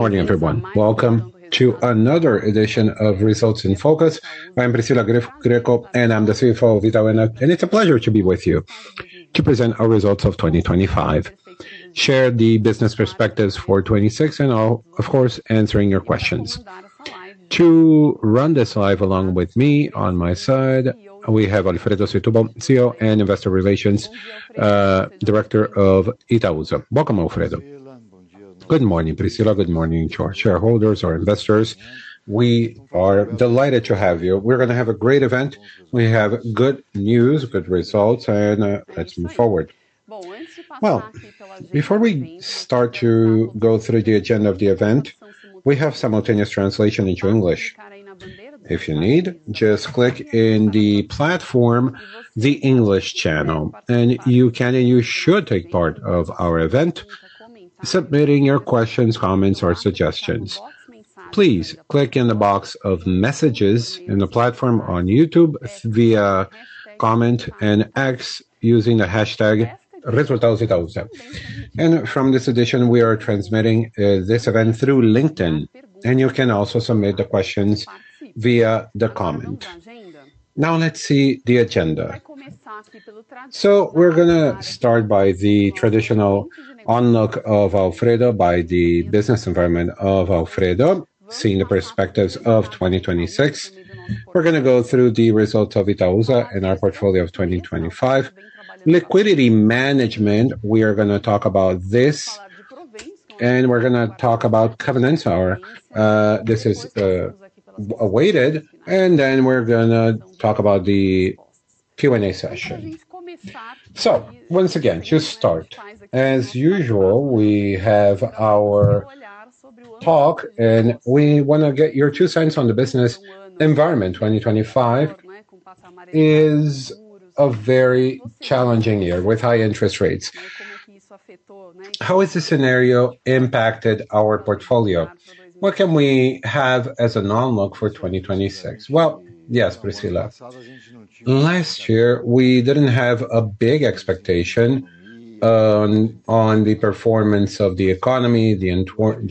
Morning, everyone. Welcome to another edition of Results in Focus. I'm Priscila Grecco Toledo, and I'm the CFO of Itaúsa. It's a pleasure to be with you to present our results of 2025. Share the business perspectives for 2026, and I'll, of course, answering your questions. To run this live along with me on my side, we have Alfredo Egydio Setubal, CEO and Investor Relations Director of Itaúsa. Welcome, Alfredo. Good morning, Priscila. Good morning to our shareholders, our investors. We are delighted to have you. We're gonna have a great event. We have good news, good results, and let's move forward. Well, before we start to go through the agenda of the event, we have simultaneous translation into English. If you need, just click in the platform, the English channel, and you can, and you should take part of our event, submitting your questions, comments, or suggestions. Please click in the box of messages in the platform on YouTube via comment and X using the hashtag resultadositausa. From this edition, we are transmitting this event through LinkedIn, and you can also submit the questions via the comment. Now let's see the agenda. We're gonna start by the traditional outlook by Alfredo on the business environment, seeing the perspectives of 2026. We're gonna go through the results of Itaúsa and our portfolio of 2025. Liquidity management, we are gonna talk about this, and we're gonna talk about covenants. This is awaited, and then we're gonna talk about the Q&A session. Once again, to start, as usual, we have our talk, and we wanna get your two cents on the business environment. 2025 is a very challenging year with high interest rates. How has the scenario impacted our portfolio? What can we have as a normal for 2026? Well, yes, Priscila. Last year, we didn't have a big expectation on the performance of the economy, the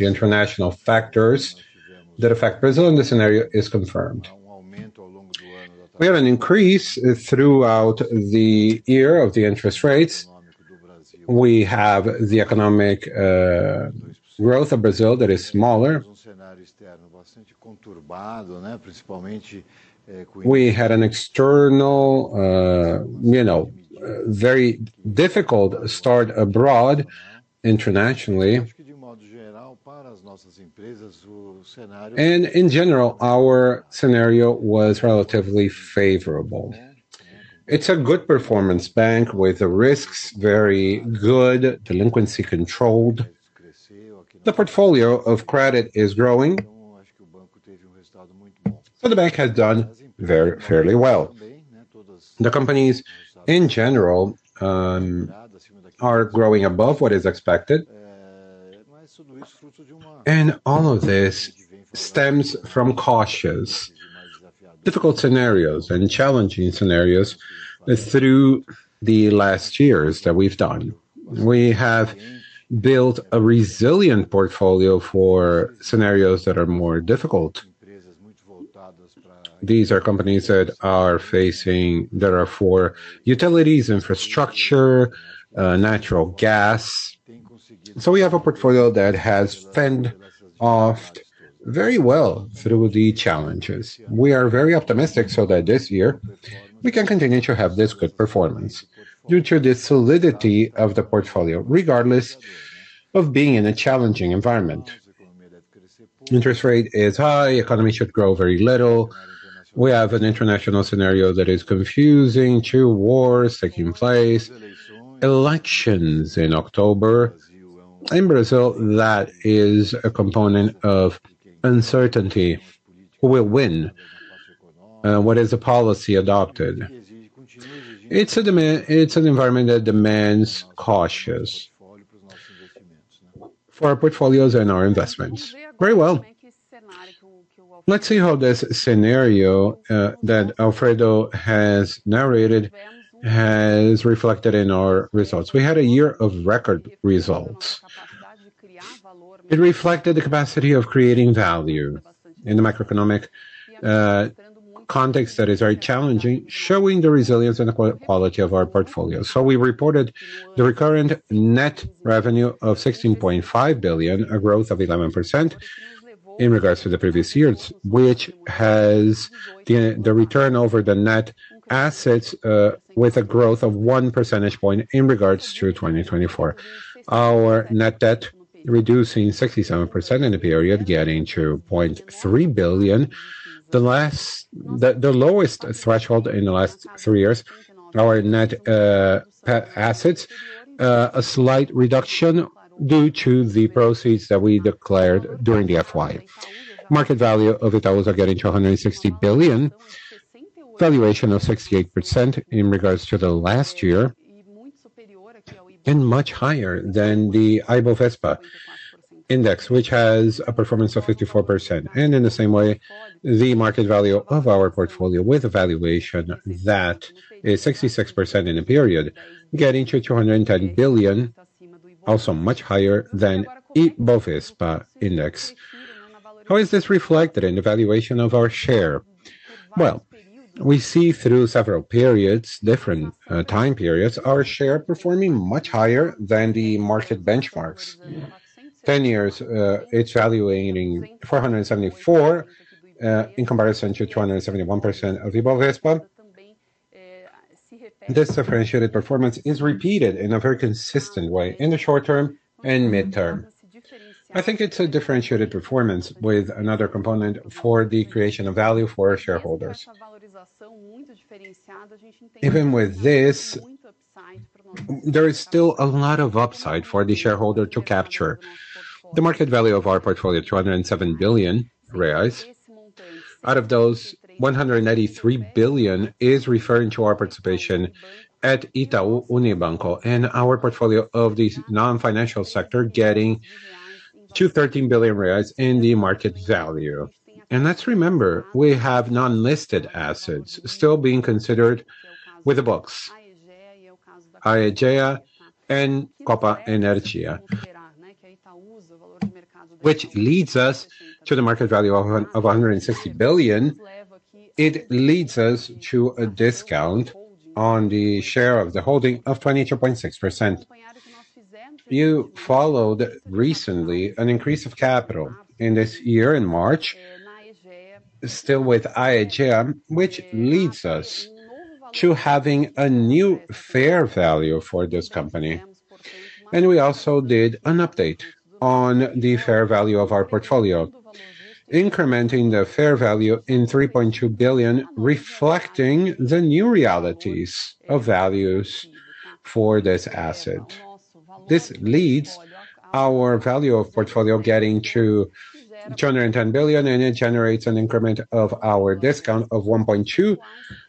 international factors that affect Brazil, and the scenario is confirmed. We had an increase throughout the year of the interest rates. We have the economic growth of Brazil that is smaller. We had an external, you know, very difficult start abroad, internationally. In general, our scenario was relatively favorable. It's a good performance by the bank with the risks very good, delinquency controlled. The portfolio of credit is growing. The bank has done very fairly well. The companies in general are growing above what is expected. All of this stems from cautious, difficult scenarios and challenging scenarios through the last years that we've done. We have built a resilient portfolio for scenarios that are more difficult. These are companies that are for utilities, infrastructure, natural gas. We have a portfolio that has fended off very well through the challenges. We are very optimistic so that this year we can continue to have this good performance due to the solidity of the portfolio, regardless of being in a challenging environment. Interest rate is high, economy should grow very little. We have an international scenario that is confusing, two wars taking place, elections in October. In Brazil, that is a component of uncertainty. Who will win? What is the policy adopted? It's an environment that demands caution for our portfolios and our investments. Very well. Let's see how this scenario that Alfredo has narrated has reflected in our results. We had a year of record results. It reflected the capacity of creating value in the macroeconomic context that is very challenging, showing the resilience and the quality of our portfolio. We reported the recurrent net revenue of 16.5 billion, a growth of 11% in regards to the previous years, which has the return over the net assets with a growth of 1 percentage point in regards to 2024. Our net debt reducing 67% in the period, getting to 0.3 billion. The lowest threshold in the last three years. Our net assets, a slight reduction due to the proceeds that we declared during the FY. Market value of Itaúsa getting to 160 billion. Valuation of 68% in regards to the last year and much higher than the Ibovespa index, which has a performance of 54%. In the same way, the market value of our portfolio with a valuation that is 66% in the period, getting to 210 billion. Also much higher than Ibovespa index. How is this reflected in the valuation of our share? Well, we see through several periods, different time periods, our share performing much higher than the market benchmarks. Ten years, it's valuating 474% in comparison to 271% of Ibovesva. This differentiated performance is repeated in a very consistent way in the short term and mid-term. I think it's a differentiated performance with another component for the creation of value for our shareholders. Even with this, there is still a lot of upside for the shareholder to capture. The market value of our portfolio, 207 billion reais. Out of those, 193 billion is referring to our participation at Itaú Unibanco, and our portfolio of the non-financial sector getting to 13 billion reais in the market value. Let's remember, we have non-listed assets still being considered with the books. Aegea and Copa Energia, which leads us to the market value of 160 billion. It leads us to a discount on the share of the holding of 22.6%. You followed recently an increase of capital in this year, in March, still with Aegea, which leads us to having a new fair value for this company. We also did an update on the fair value of our portfolio, incrementing the fair value in 3.2 billion, reflecting the new realities of values for this asset. This leads our value of portfolio getting to 210 billion, and it generates an increment of our discount of 1.2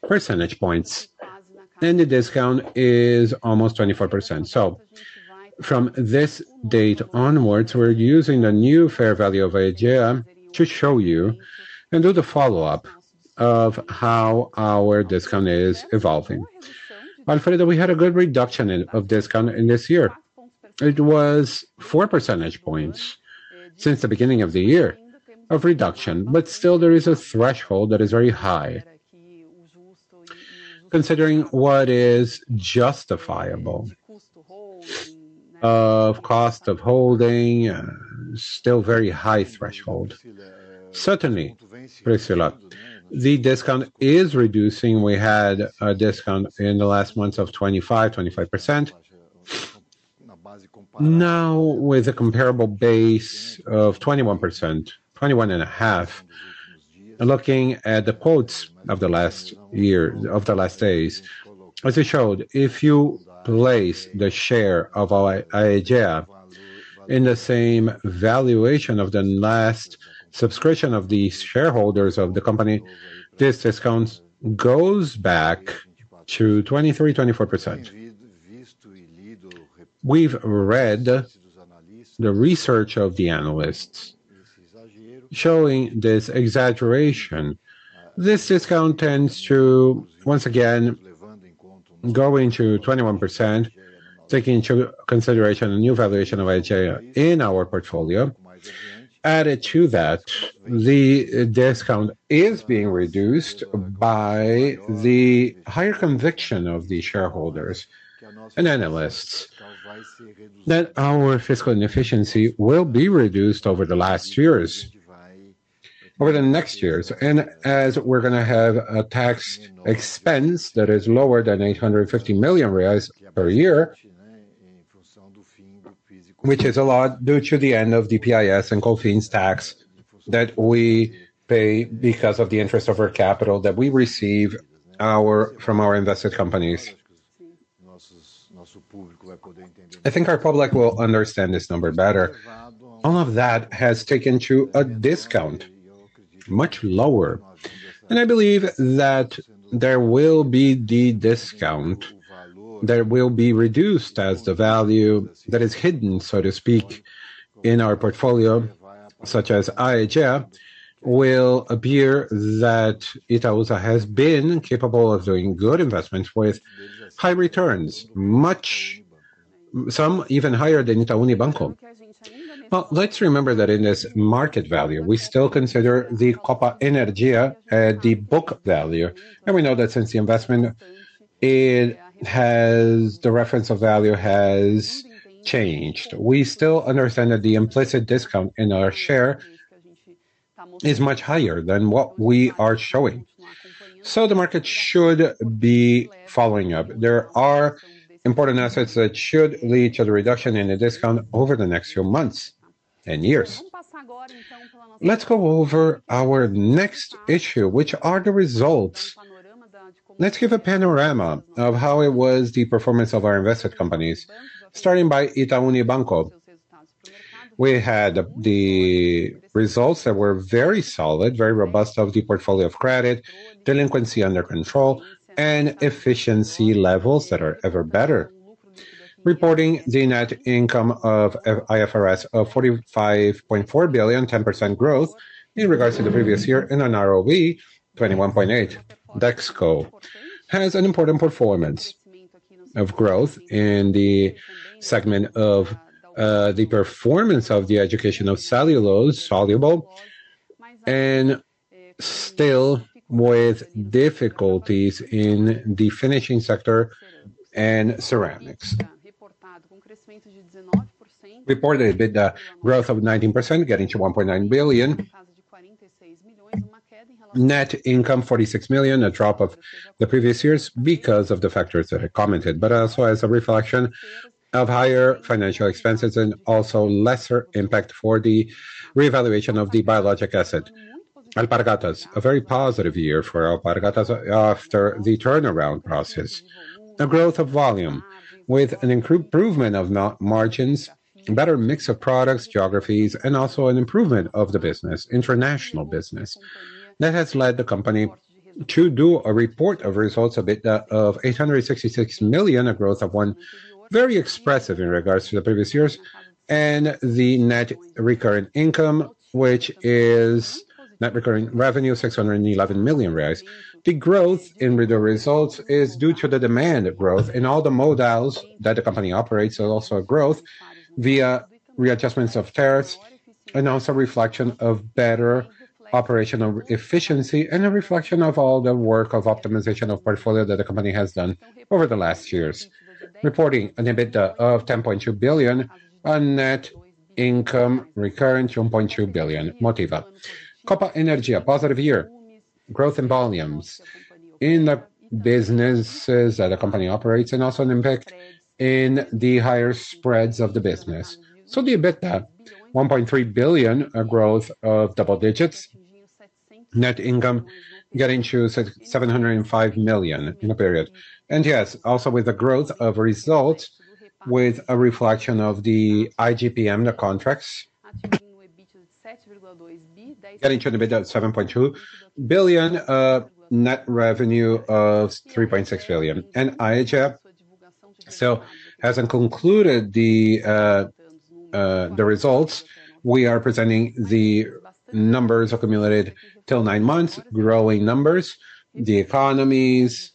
percentage points. The discount is almost 24%. From this date onwards, we're using a new fair value of Aegea to show you and do the follow-up of how our discount is evolving. Alfredo, we had a good reduction of discount in this year. It was four percentage points since the beginning of the year of reduction, but still there is a threshold that is very high considering what is justifiable of cost of holding. Still very high threshold. Certainly, Priscila, the discount is reducing. We had a discount in the last months of 25%. Now, with a comparable base of 21%, 21.5, looking at the quotes of the last days, as you showed, if you place the share of our Aegea in the same valuation of the last subscription of the shareholders of the company, this discount goes back to 23%-24%. We've read the research of the analysts showing this exaggeration. This discount tends to, once again, going to 21%, taking into consideration the new valuation of Aegea in our portfolio. Added to that, the discount is being reduced by the higher conviction of the shareholders and analysts that our fiscal inefficiency will be reduced over the next years. As we're gonna have a tax expense that is lower than 850 million reais per year, which is a lot due to the end of the PIS and COFINS tax that we pay because of the interest of our capital that we receive from our invested companies. I think our public will understand this number better. All of that has taken to a discount much lower. I believe that there will be the discount that will be reduced as the value that is hidden, so to speak, in our portfolio, such as Aegea, will appear that Itaúsa has been capable of doing good investments with high returns, much. Some even higher than Itaú Unibanco. Well, let's remember that in this market value, we still consider the Copa Energia at the book value. We know that since the investment, the reference of value has changed. We still understand that the implicit discount in our share is much higher than what we are showing. The market should be following up. There are important assets that should lead to the reduction in the discount over the next few months and years. Let's go over our next issue, which are the results. Let's give a panorama of how it was the performance of our invested companies, starting by Itaú Unibanco. We had the results that were very solid, very robust of the portfolio of credit, delinquency under control, and efficiency levels that are ever better. Reporting the net income under IFRS of 45.4 billion, 10% growth in regards to the previous year and an ROE 21.8%. Dexco has an important performance of growth in the segment of the performance of the evolution of cellulose, soluble, and still with difficulties in the finishing sector and ceramics. Reported EBITDA growth of 19%, getting to 1.9 billion. Net income, 46 million, a drop from the previous year because of the factors that I commented, but also as a reflection of higher financial expenses and also lesser impact for the reevaluation of the biological asset. Alpargatas, a very positive year for Alpargatas after the turnaround process. The growth of volume with an improved improvement of net margins, better mix of products, geographies, and also an improvement of the business, international business, that has led the company to do a report of results of EBITDA of 866 million, a growth of 101%. Very expressive in regards to the previous years. The net recurrent income, which is net recurring revenue, 611 million reais. The growth in the results is due to the demand growth in all the models that the company operates. Also a growth via readjustments of tariffs, and also a reflection of better operational efficiency and a reflection of all the work of optimization of portfolio that the company has done over the last years. Reporting an EBITDA of 10.2 billion and net income recurrent 1.2 billion. Motiva. Copa Energia, positive year. Growth in volumes in the businesses that a company operates and also an impact in the higher spreads of the business. The EBITDA, 1.3 billion, a growth of double digits. Net income getting to 705 million in the period. Also with the growth of results with a reflection of the IGPM, the contracts, getting to an EBITDA of 7.2 billion, net revenue of 3.6 billion. Aegea hasn't concluded the results. We are presenting the numbers accumulated till 9 months, growing numbers, the economies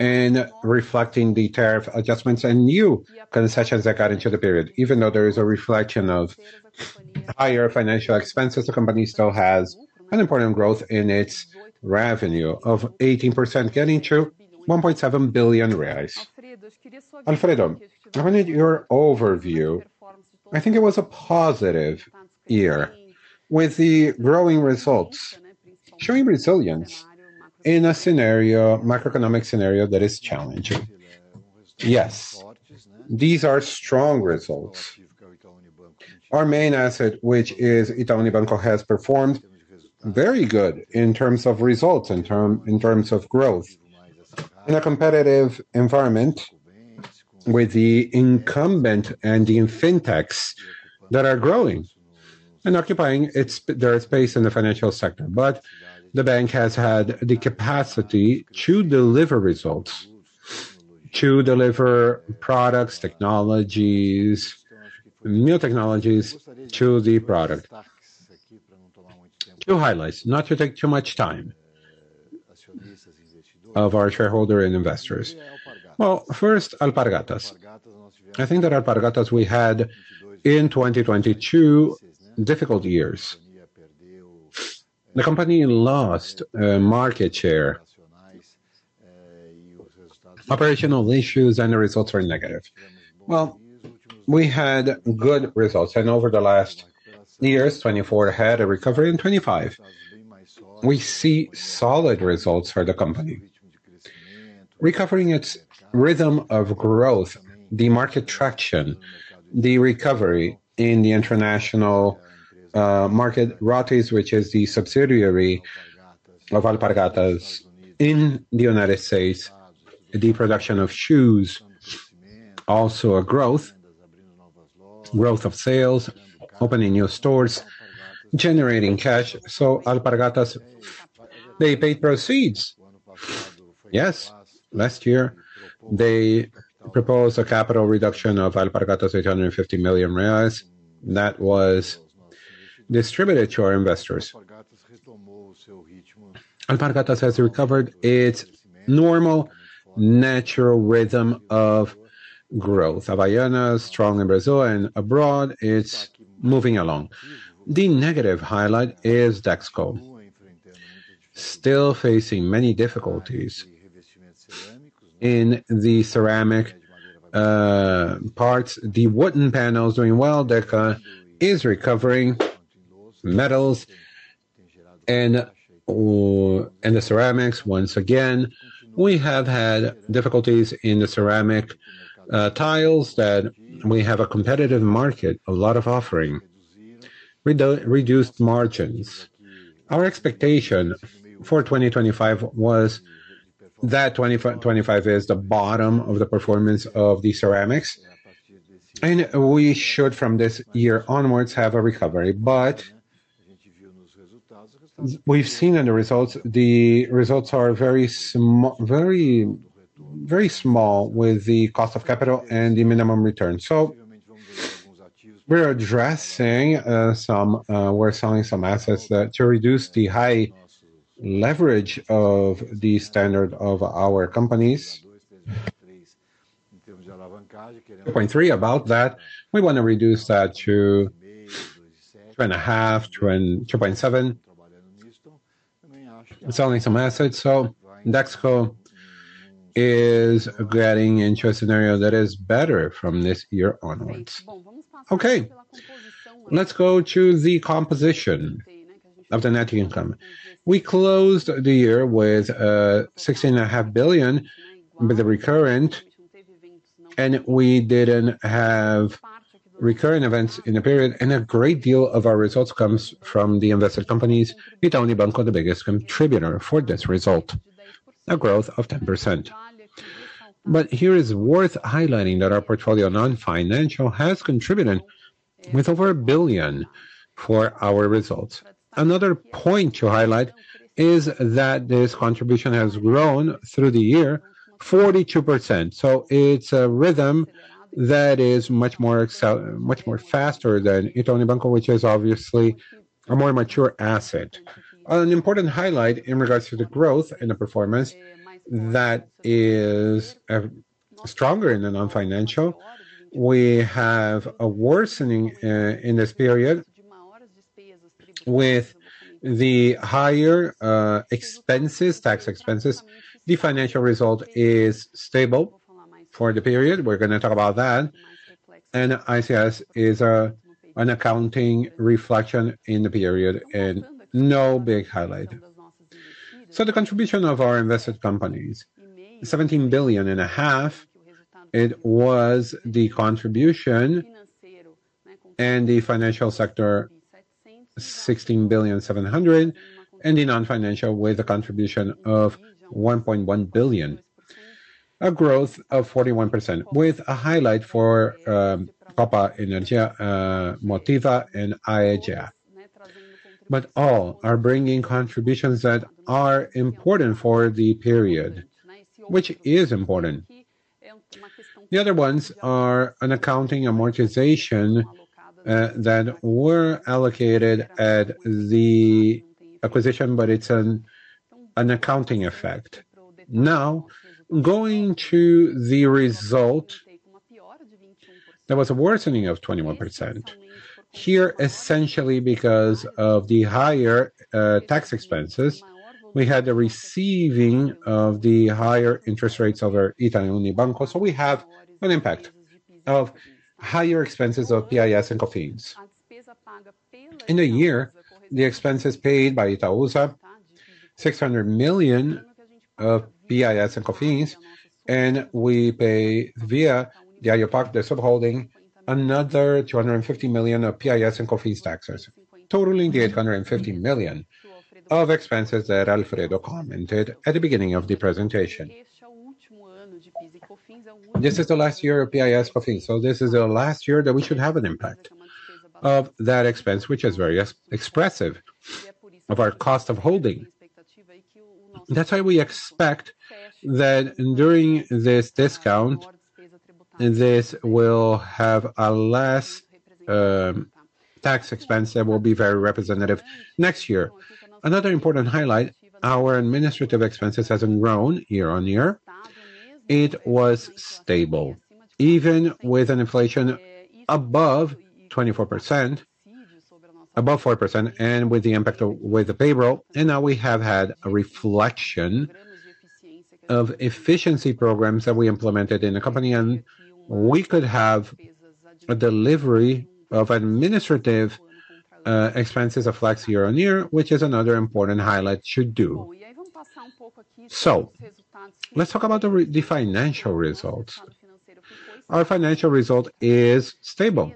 and reflecting the tariff adjustments and new concessions that got into the period. Even though there is a reflection of higher financial expenses, the company still has an important growth in its revenue of 18%, getting to 1.7 billion reais. Alfredo, given your overview, I think it was a positive year with the growing results showing resilience in a scenario, macroeconomic scenario that is challenging. Yes. These are strong results. Our main asset, which is Itaú Unibanco, has performed very good in terms of results, in terms of growth. In a competitive environment with the incumbent and the fintechs that are growing and occupying their space in the financial sector. The bank has had the capacity to deliver results, to deliver products, technologies, new technologies to the product. To highlight, not to take too much time of our shareholder and investors. Well, first, Alpargatas. I think that Alpargatas we had in 2022, difficult years. The company lost market share. Operational issues, and the results were negative. Well, we had good results, and over the last years, 2024 had a recovery, and 2025 we see solid results for the company. Recovering its rhythm of growth, the market traction, the recovery in the international market. Rothy's, which is the subsidiary of Alpargatas in the United States, the production of shoes, also a growth of sales, opening new stores, generating cash. So Alpargatas, they paid proceeds. Yes. Last year, they proposed a capital reduction of Alpargatas, 850 million reais, that was distributed to our investors. Alpargatas has recovered its normal, natural rhythm of growth. Havaianas, strong in Brazil and abroad, it's moving along. The negative highlight is Dexco. Still facing many difficulties in the ceramic parts. The wooden panels doing well. Deca is recovering. Metals and the ceramics, once again, we have had difficulties in the ceramic tiles that we have a competitive market, a lot of offering. Reduced margins. Our expectation for 2025 was that 2025 is the bottom of the performance of the ceramics. We should, from this year onwards, have a recovery. We've seen in the results, the results are very small with the cost of capital and the minimum return. We're addressing some, we're selling some assets that to reduce the high leverage of the standard of our companies. 2.3 about that, we wanna reduce that to 2.5-2.7. We're selling some assets, so Dexco is getting into a scenario that is better from this year onwards. Okay. Let's go to the composition of the net income. We closed the year with 16.5 billion with the recurrent, and we didn't have recurring events in the period, and a great deal of our results comes from the invested companies. Itaú Unibanco are the biggest contributor for this result, a growth of 10%. Here is worth highlighting that our portfolio non-financial has contributed with over 1 billion for our results. Another point to highlight is that this contribution has grown through the year 42%. It's a rhythm that is much more faster than Itaú Unibanco, which is obviously a more mature asset. An important highlight in regards to the growth and the performance that is stronger in the non-financial. We have a worsening in this period with the higher expenses, tax expenses. The financial result is stable for the period. We're gonna talk about that. ICS is an accounting reflection in the period and no big highlight. The contribution of our invested companies, 17.5 billion, it was the contribution in the financial sector, 16.7 billion, and the non-financial with a contribution of 1.1 billion. A growth of 41% with a highlight for Copa Energia, Motiva and Aegea. All are bringing contributions that are important for the period, which is important. The other ones are an accounting amortization that were allocated at the acquisition, but it's an accounting effect. Now, going to the result, there was a worsening of 21%. Here, essentially because of the higher tax expenses, we had the benefit of the higher interest rates of our Itaú Unibanco. We have an impact of higher expenses of PIS/Cofins. In a year, the expenses paid by Itaúsa, 600 million of PIS/Cofins, and we pay via the IUPAR, the subholding, another 250 million of PIS/Cofins taxes, totaling the 850 million of expenses that Alfredo commented at the beginning of the presentation. This is the last year of PIS/Cofins, so this is the last year that we should have an impact of that expense, which is very expressive of our cost of holding. That's why we expect that during this discount, this will have a less tax expense that will be very representative next year. Another important highlight, our administrative expenses hasn't grown year-over-year. It was stable even with an inflation above 24%, above 4%, and with the impact of the payroll. Now we have had a reflection of efficiency programs that we implemented in the company, and we could have a delivery of administrative expenses of flat year-over-year, which is another important highlight should do. Let's talk about the financial results. Our financial result is stable,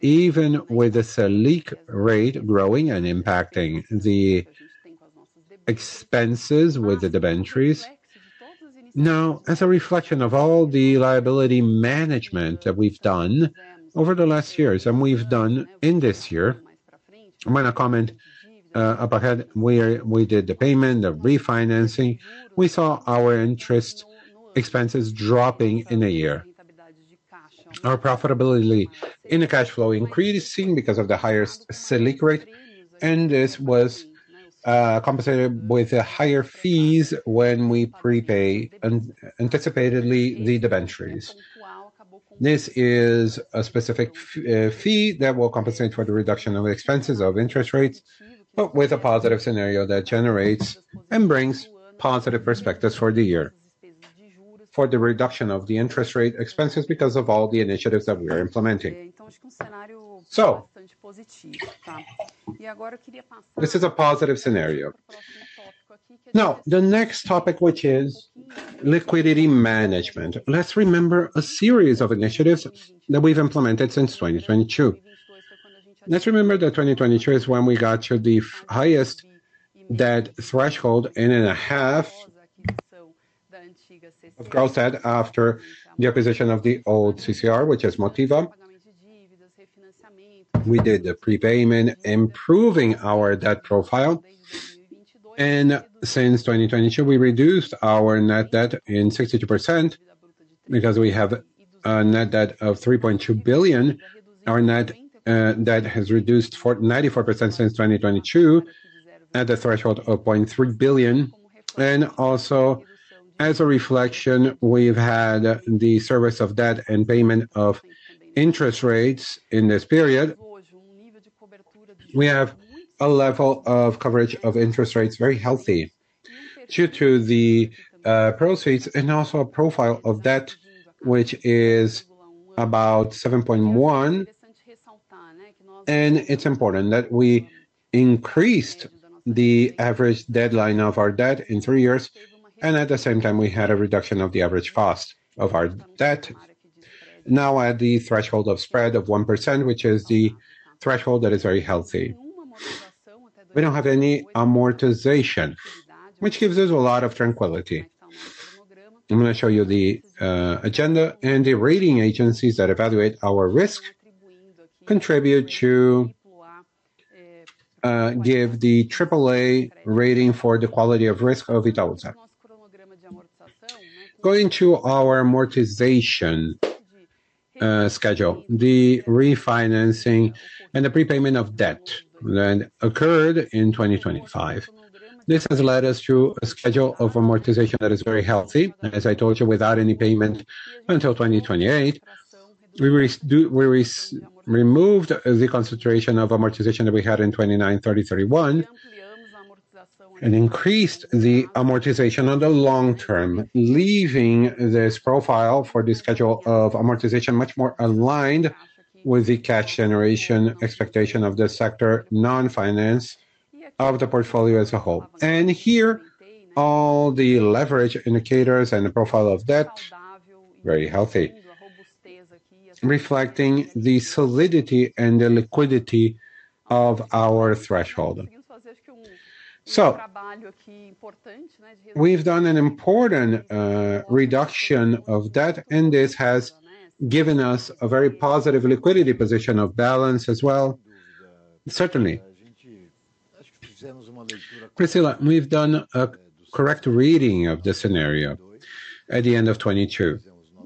even with the Selic rate growing and impacting the expenses with the debentures. Now, as a reflection of all the liability management that we've done over the last years and we've done in this year, I'm gonna comment up ahead where we did the payment, the refinancing. We saw our interest expenses dropping in a year. Our profitability in the cash flow increasing because of the higher Selic rate, and this was compensated with higher fees when we prepay anticipatedly the debentures. This is a specific fee that will compensate for the reduction of expenses of interest rates, but with a positive scenario that generates and brings positive perspectives for the year for the reduction of the interest rate expenses because of all the initiatives that we are implementing. This is a positive scenario. Now, the next topic, which is liquidity management. Let's remember a series of initiatives that we've implemented since 2022. Let's remember that 2022 is when we got to the highest debt threshold in a half. Of course, that after the acquisition of the old CCR, which is Motiva. We did the prepayment, improving our debt profile. Since 2022, we reduced our net debt in 62% because we have a net debt of 3.2 billion. Our net debt has reduced 94% since 2022 at a threshold of 0.3 billion. Also, as a reflection, we've had the servicing of debt and payment of interest in this period. We have a level of coverage of interest very healthy due to the proceeds and also a profile of debt which is about 7.1. It's important that we increased the average term of our debt by 3 years, and at the same time, we had a reduction of the average cost of our debt. Now at the threshold of spread of 1%, which is the threshold that is very healthy. We don't have any amortization, which gives us a lot of tranquility. I'm gonna show you the agenda and the rating agencies that evaluate our risk contribute to give the triple A rating for the quality of risk of Itaúsa. Going to our amortization schedule, the refinancing and the prepayment of debt that occurred in 2025. This has led us to a schedule of amortization that is very healthy, as I told you, without any payment until 2028. We removed the concentration of amortization that we had in 2029, 2030, 2031, and increased the amortization on the long term, leaving this profile for the schedule of amortization much more aligned with the cash generation expectation of the sector, non-financial of the portfolio as a whole. Here, all the leverage indicators and the profile of debt, very healthy, reflecting the solidity and the liquidity of our treasury. We've done an important reduction of debt, and this has given us a very positive liquidity position of balance as well. Certainly. Priscila, we've done a correct reading of the scenario at the end of 2022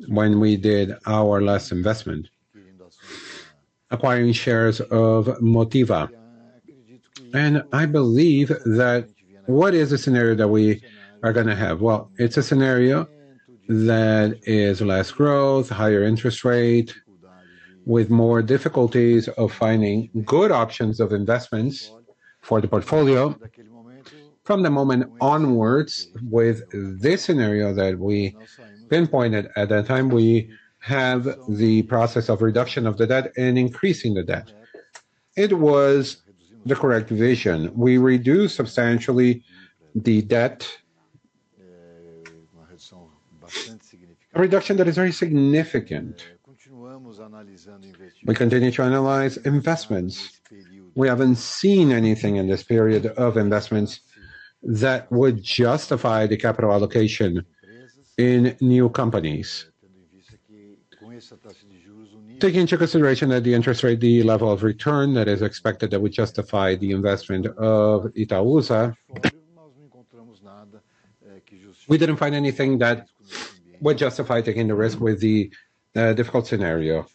when we did our last investment, acquiring shares of Motiva. I believe that what is the scenario that we are gonna have? Well, it's a scenario that is less growth, higher interest rate, with more difficulties of finding good options of investments for the portfolio. From the moment onwards, with this scenario that we pinpointed at that time, we have the process of reduction of the debt and increasing the debt. It was the correct vision. We reduced substantially the debt. A reduction that is very significant. We continue to analyze investments. We haven't seen anything in this period of investments that would justify the capital allocation in new companies. Taking into consideration that the interest rate, the level of return that is expected that would justify the investment of Itaúsa, we didn't find anything that would justify taking the risk with the difficult scenario.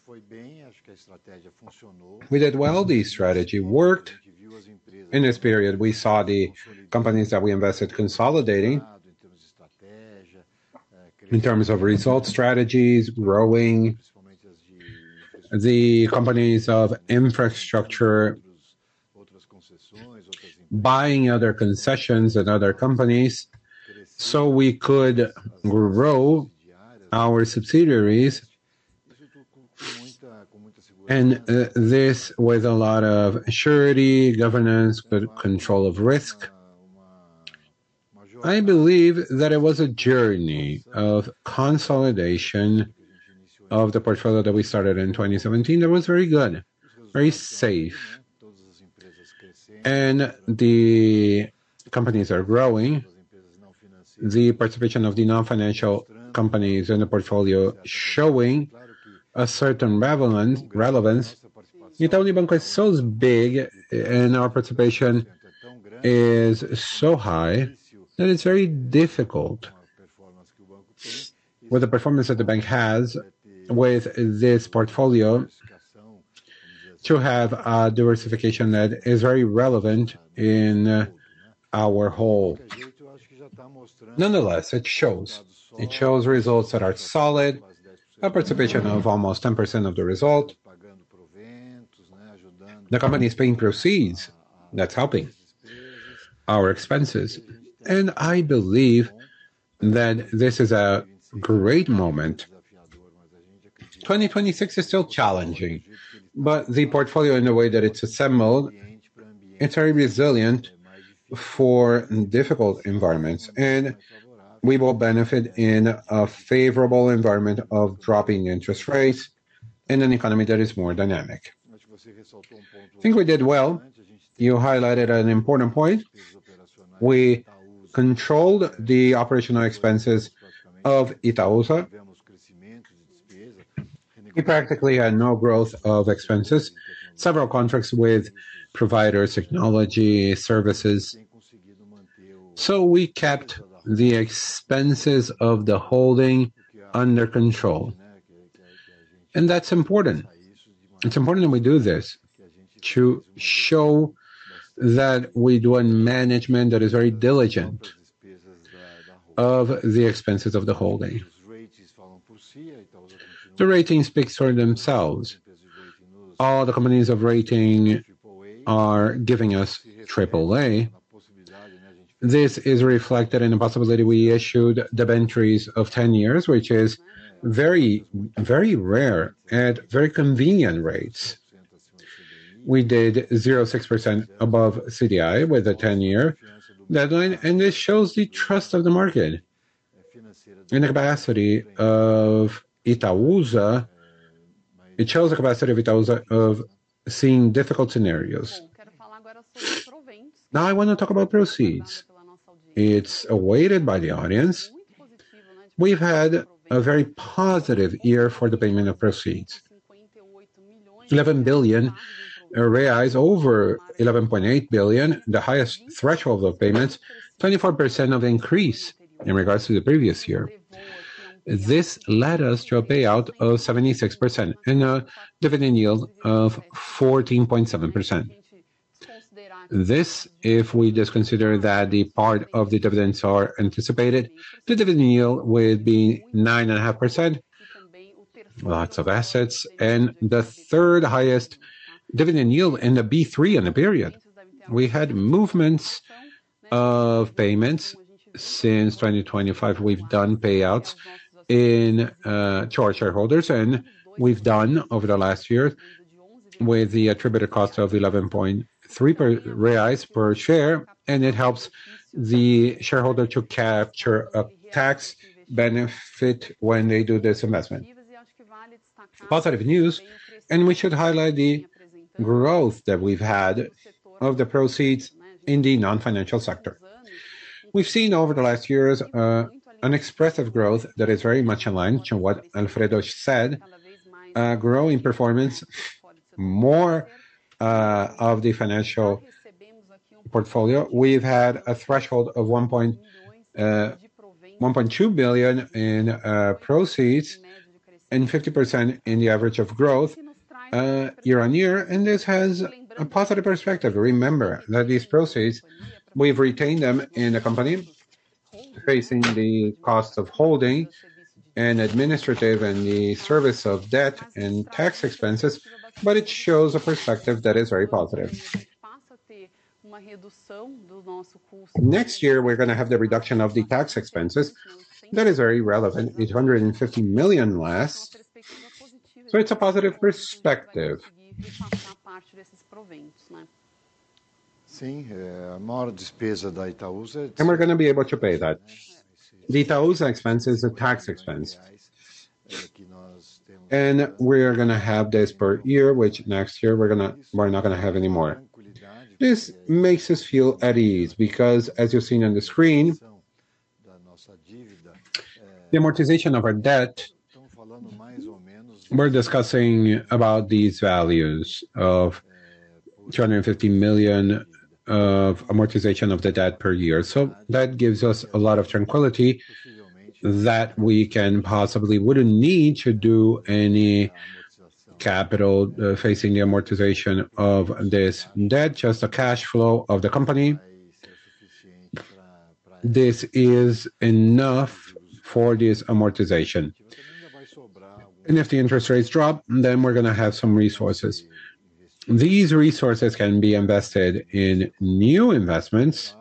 We did well. The strategy worked. In this period, we saw the companies that we invested consolidating in terms of results, strategies, growing. The companies of infrastructure buying other concessions and other companies, so we could grow our subsidiaries. This with a lot of surety, governance, but control of risk. I believe that it was a journey of consolidation of the portfolio that we started in 2017 that was very good, very safe. The companies are growing. The participation of the non-financial companies in the portfolio showing a certain relevance. Itaú Unibanco is so big and our participation is so high that it's very difficult with the performance that the bank has with this portfolio to have a diversification that is very relevant in our whole. Nonetheless, it shows. It shows results that are solid, a participation of almost 10% of the result. The company is paying proceeds, that's helping our expenses. I believe that this is a great moment. 2026 is still challenging, but the portfolio in the way that it's assembled, it's very resilient for difficult environments, and we will benefit in a favorable environment of dropping interest rates in an economy that is more dynamic. I think we did well. You highlighted an important point. We controlled the operational expenses of Itaúsa. We practically had no growth of expenses, several contracts with providers, technology services. We kept the expenses of the holding under control, and that's important. It's important that we do this to show that we're doing management that is very diligent of the expenses of the holding. The ratings speak for themselves. All the rating agencies are giving us triple A. This is reflected in the possibility we issued debentures of 10 years, which is very, very rare, at very convenient rates. We did 0.6% above CDI with a 10-year deadline, and this shows the trust of the market and capacity of Itaúsa. It shows the capacity of Itaúsa of seeing difficult scenarios. Now I want to talk about proceeds. It's awaited by the audience. We've had a very positive year for the payment of proceeds. 11 billion reais, over 11.8 billion, the highest threshold of payments, 24% increase in regards to the previous year. This led us to a payout of 76% and a dividend yield of 14.7%. This, if we just consider that the part of the dividends are anticipated, the dividend yield will be 9.5%. Lots of assets, and the third highest dividend yield in the B3 in the period. We had movements of payments. Since 2025, we've done payouts in to our shareholders, and we've done over the last year with the attributed cost of 11.3 reais per share, and it helps the shareholder to capture a tax benefit when they do this investment. Positive news, and we should highlight the growth that we've had of the proceeds in the non-financial sector. We've seen over the last years an expressive growth that is very much aligned to what Alfredo said, growth in performance more of the financial portfolio. We've had a threshold of 1.2 billion in proceeds and 50% in the average of growth year-over-year, and this has a positive perspective. Remember that these proceeds, we've retained them in the company, facing the cost of holding and administrative and the service of debt and tax expenses, but it shows a perspective that is very positive. Next year, we're gonna have the reduction of the tax expenses. That is very relevant, 850 million less, so it's a positive perspective. We're gonna be able to pay that. The Itaúsa expense is a tax expense. We are gonna have this per year, which next year we're not gonna have any more. This makes us feel at ease because as you're seeing on the screen, the amortization of our debt, we're discussing about these values of 250 million of amortization of the debt per year. That gives us a lot of tranquility that we can possibly wouldn't need to do any capital facing the amortization of this debt, just the cash flow of the company. This is enough for this amortization. If the interest rates drop, then we're gonna have some resources. These resources can be invested in new investments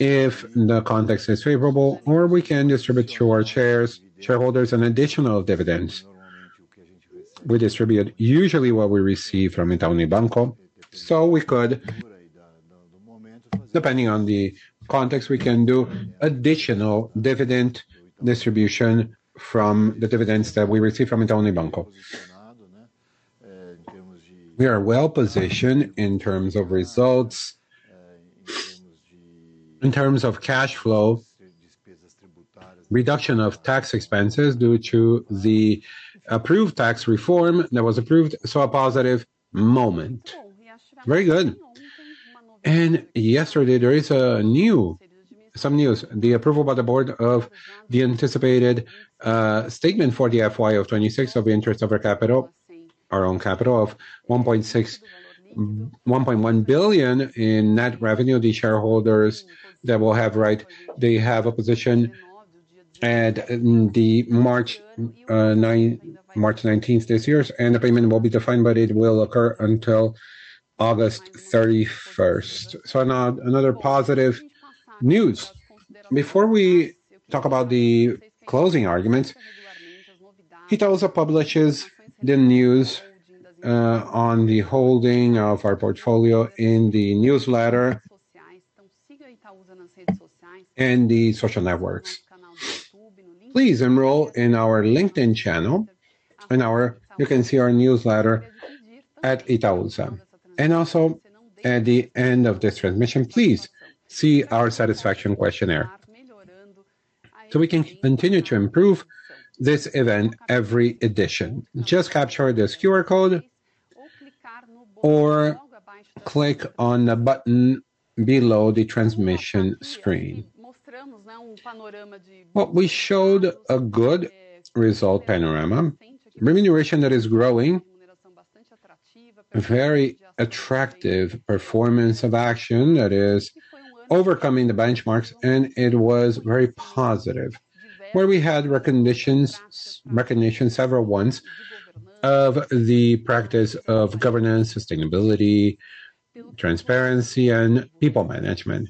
if the context is favorable, or we can distribute to our shareholders an additional dividend. We distribute usually what we receive from Itaú Unibanco. We could, depending on the context, we can do additional dividend distribution from the dividends that we receive from Itaú Unibanco. We are well-positioned in terms of results, in terms of cash flow, reduction of tax expenses due to the approved tax reform that was approved, a positive moment. Very good. Yesterday, there is some news, the approval by the board of the anticipated statement for the FY 2026 of interest on our capital, our own capital of 1.1 billion in net revenue. The shareholders that will have right, they have a position at the March 19th this year, and the payment will be defined, but it will occur until August 31st. Another positive news. Before we talk about the closing arguments, Itaúsa publishes the news on the holding of our portfolio in the newsletter and the social networks. Please enroll in our LinkedIn channel. You can see our newsletter at Itaúsa. Also at the end of this transmission, please see our satisfaction questionnaire. We can continue to improve this event every edition. Just capture this QR code or click on the button below the transmission screen. Well, we showed a good result panorama. Remuneration that is growing, a very attractive performance of action that is overcoming the benchmarks, and it was very positive. Where we had recognitions, several ones, of the practice of governance, sustainability, transparency and people management.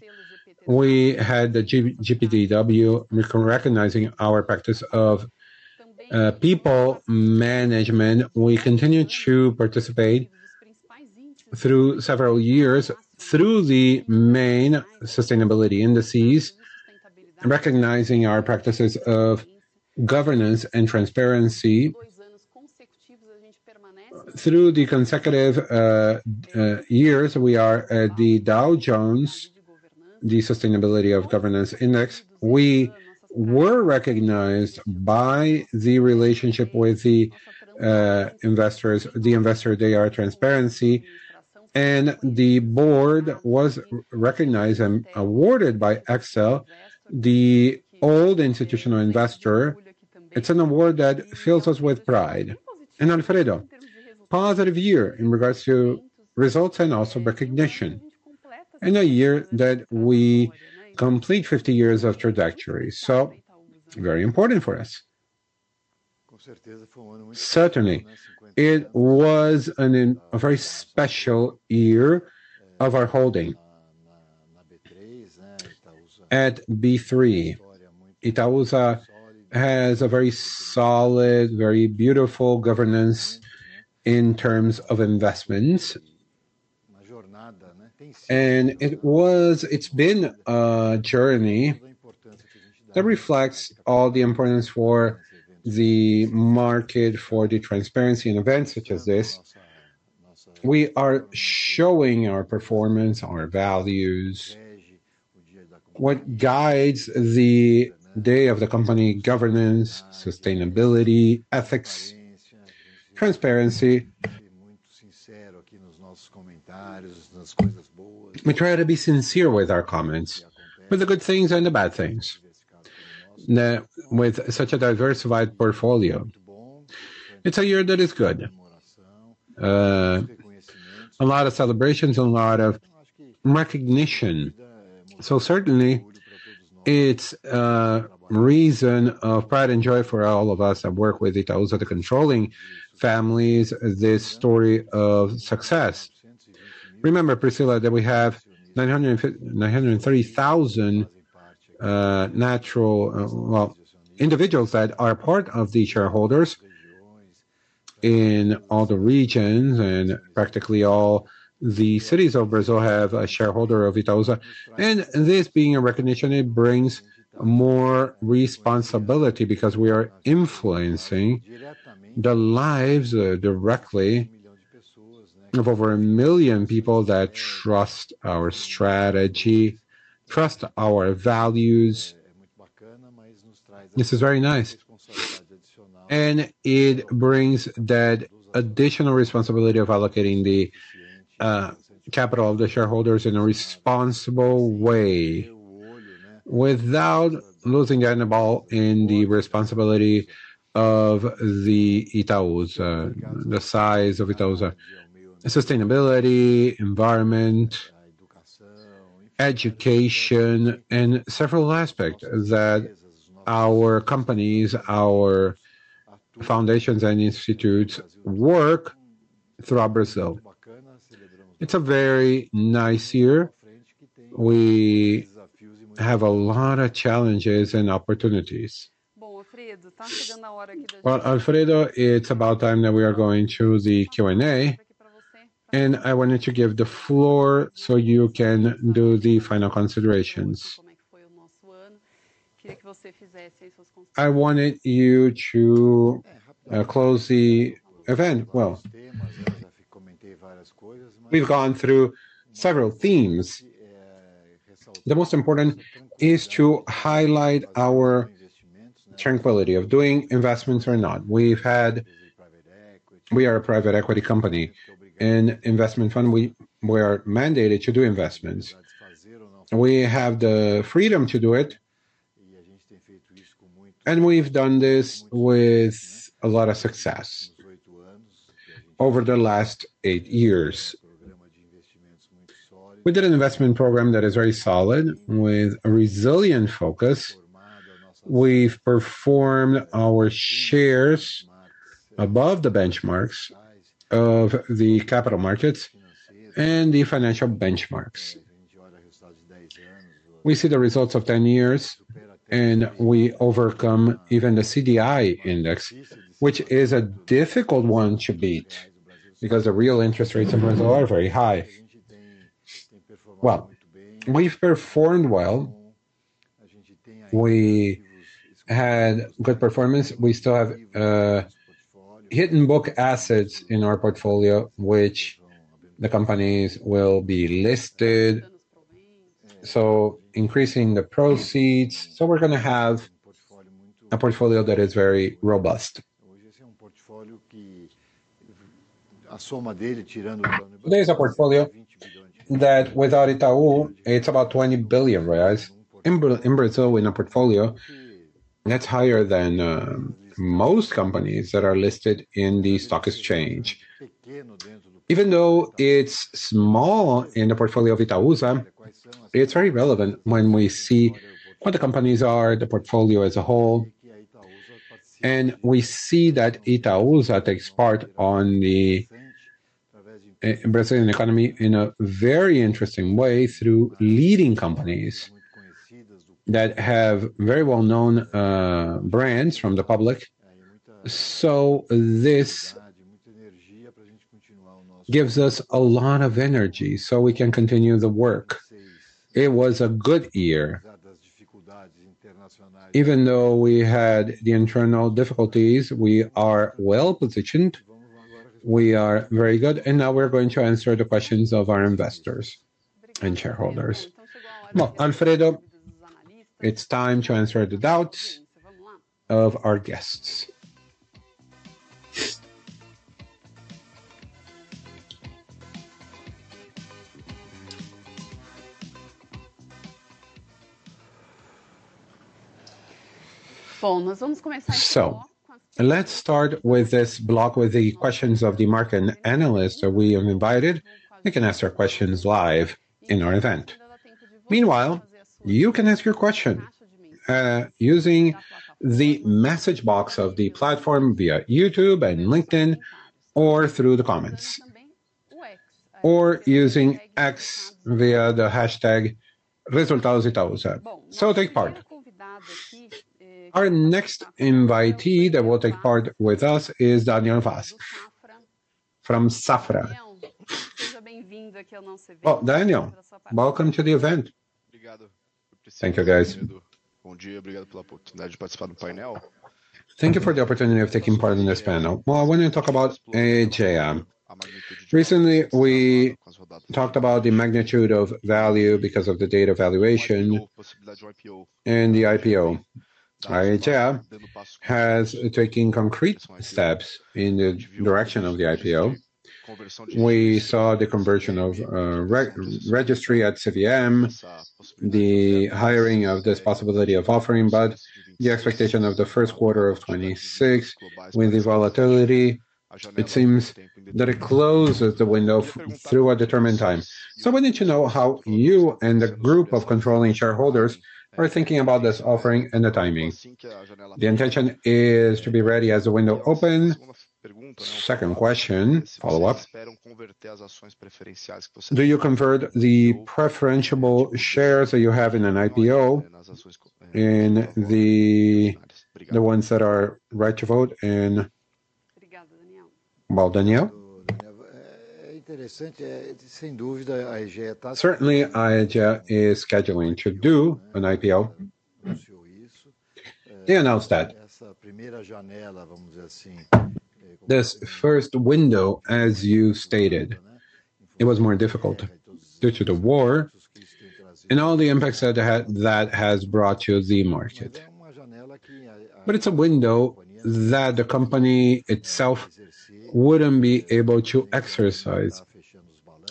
We had the GPTW recognizing our practice of people management. We continue to participate through several years in the main sustainability indices, recognizing our practices of governance and transparency. Through the consecutive years, we are at the Dow Jones Sustainability Indices. We were recognized by the relationship with the investors, the Investor Day, our transparency, and the board was recognized and awarded by Extel, the Extel institutional investor. It's an award that fills us with pride. Alfredo, positive year in regards to results and also recognition. In a year that we complete 50 years of trajectory, so very important for us. Certainly. It was a very special year of our holding. At B3, Itaúsa has a very solid, very beautiful governance in terms of investments. It's been a journey that reflects all the importance for the market, for the transparency in events such as this. We are showing our performance, our values, what guides the day-to-day of the company governance, sustainability, ethics, transparency. We try to be sincere with our comments, with the good things and the bad things. With such a diversified portfolio, it's a year that is good. A lot of celebrations, a lot of recognition. Certainly, it's a reason of pride and joy for all of us that work with Itaúsa, the controlling families, this story of success. Remember, Priscila, that we have 930,000 natural, well, individuals that are part of the shareholders in all the regions and practically all the cities of Brazil have a shareholder of Itaúsa. This being a recognition, it brings more responsibility because we are influencing the lives directly of over 1 million people that trust our strategy, trust our values. This is very nice, and it brings that additional responsibility of allocating the capital of the shareholders in a responsible way without dropping the ball in the responsibility of Itaúsa, the size of Itaúsa. Sustainability, environment, education, and several aspects that our companies, our foundations and institutes work throughout Brazil. It's a very nice year. We have a lot of challenges and opportunities. Well, Alfredo, it's about time that we are going to the Q&A. I wanted to give the floor so you can do the final considerations. I wanted you to close the event well. We've gone through several themes. The most important is to highlight our tranquility of doing investments or not. We are a private equity company and investment fund. We are mandated to do investments. We have the freedom to do it, and we've done this with a lot of success over the last 8 years. We did an investment program that is very solid with a resilient focus. We've performed our shares above the benchmarks of the capital markets and the financial benchmarks. We see the results of 10 years, and we overcome even the CDI index, which is a difficult one to beat because the real interest rates in Brazil are very high. Well, we've performed well. We had good performance. We still have hidden book assets in our portfolio, which the companies will be listed, so increasing the proceeds. So we're gonna have a portfolio that is very robust. There is a portfolio that without Itaú, it's about 20 billion reais. In Brazil, in a portfolio, that's higher than most companies that are listed in the stock exchange. Even though it's small in the portfolio of Itaúsa, it's very relevant when we see what the companies are, the portfolio as a whole, and we see that Itaúsa takes part on the Brazilian economy in a very interesting way through leading companies that have very well-known brands from the public. So this gives us a lot of energy, so we can continue the work. It was a good year. Even though we had the internal difficulties, we are well-positioned, we are very good, and now we're going to answer the questions of our investors and shareholders. Well, Alfredo, it's time to answer the doubts of our guests. Let's start with this block with the questions of the market analysts that we have invited, they can ask their questions live in our event. Meanwhile, you can ask your question using the message box of the platform via YouTube and LinkedIn or through the comments, or using X via the hashtag #ResultadosItaúsa. Take part. Our next invitee that will take part with us is Daniel Vaz from Safra. Well, Daniel, welcome to the event. Thank you, guys. Thank you for the opportunity of taking part in this panel. Well, I wanna talk about Aegea. Recently, we talked about the magnitude of value because of the data valuation and the IPO. Aegea has taken concrete steps in the direction of the IPO. We saw the conversion of re-registry at CVM, the hiring of this possibility of offering, but the expectation of the first quarter of 2026 with the volatility, it seems that it closes the window through a determined timeWe need to know how you and the group of controlling shareholders are thinking about this offering and the timing. The intention is to be ready as the window opens. Second question, follow-up. Do you convert the preferential shares that you have in an IPO, the ones that are right to vote and- Well, Daniel. Certainly, Aegea is scheduling to do an IPO. They announced that. This first window, as you stated, it was more difficult due to the war and all the impacts that that has brought to the market. But it's a window that the company itself wouldn't be able to exercise,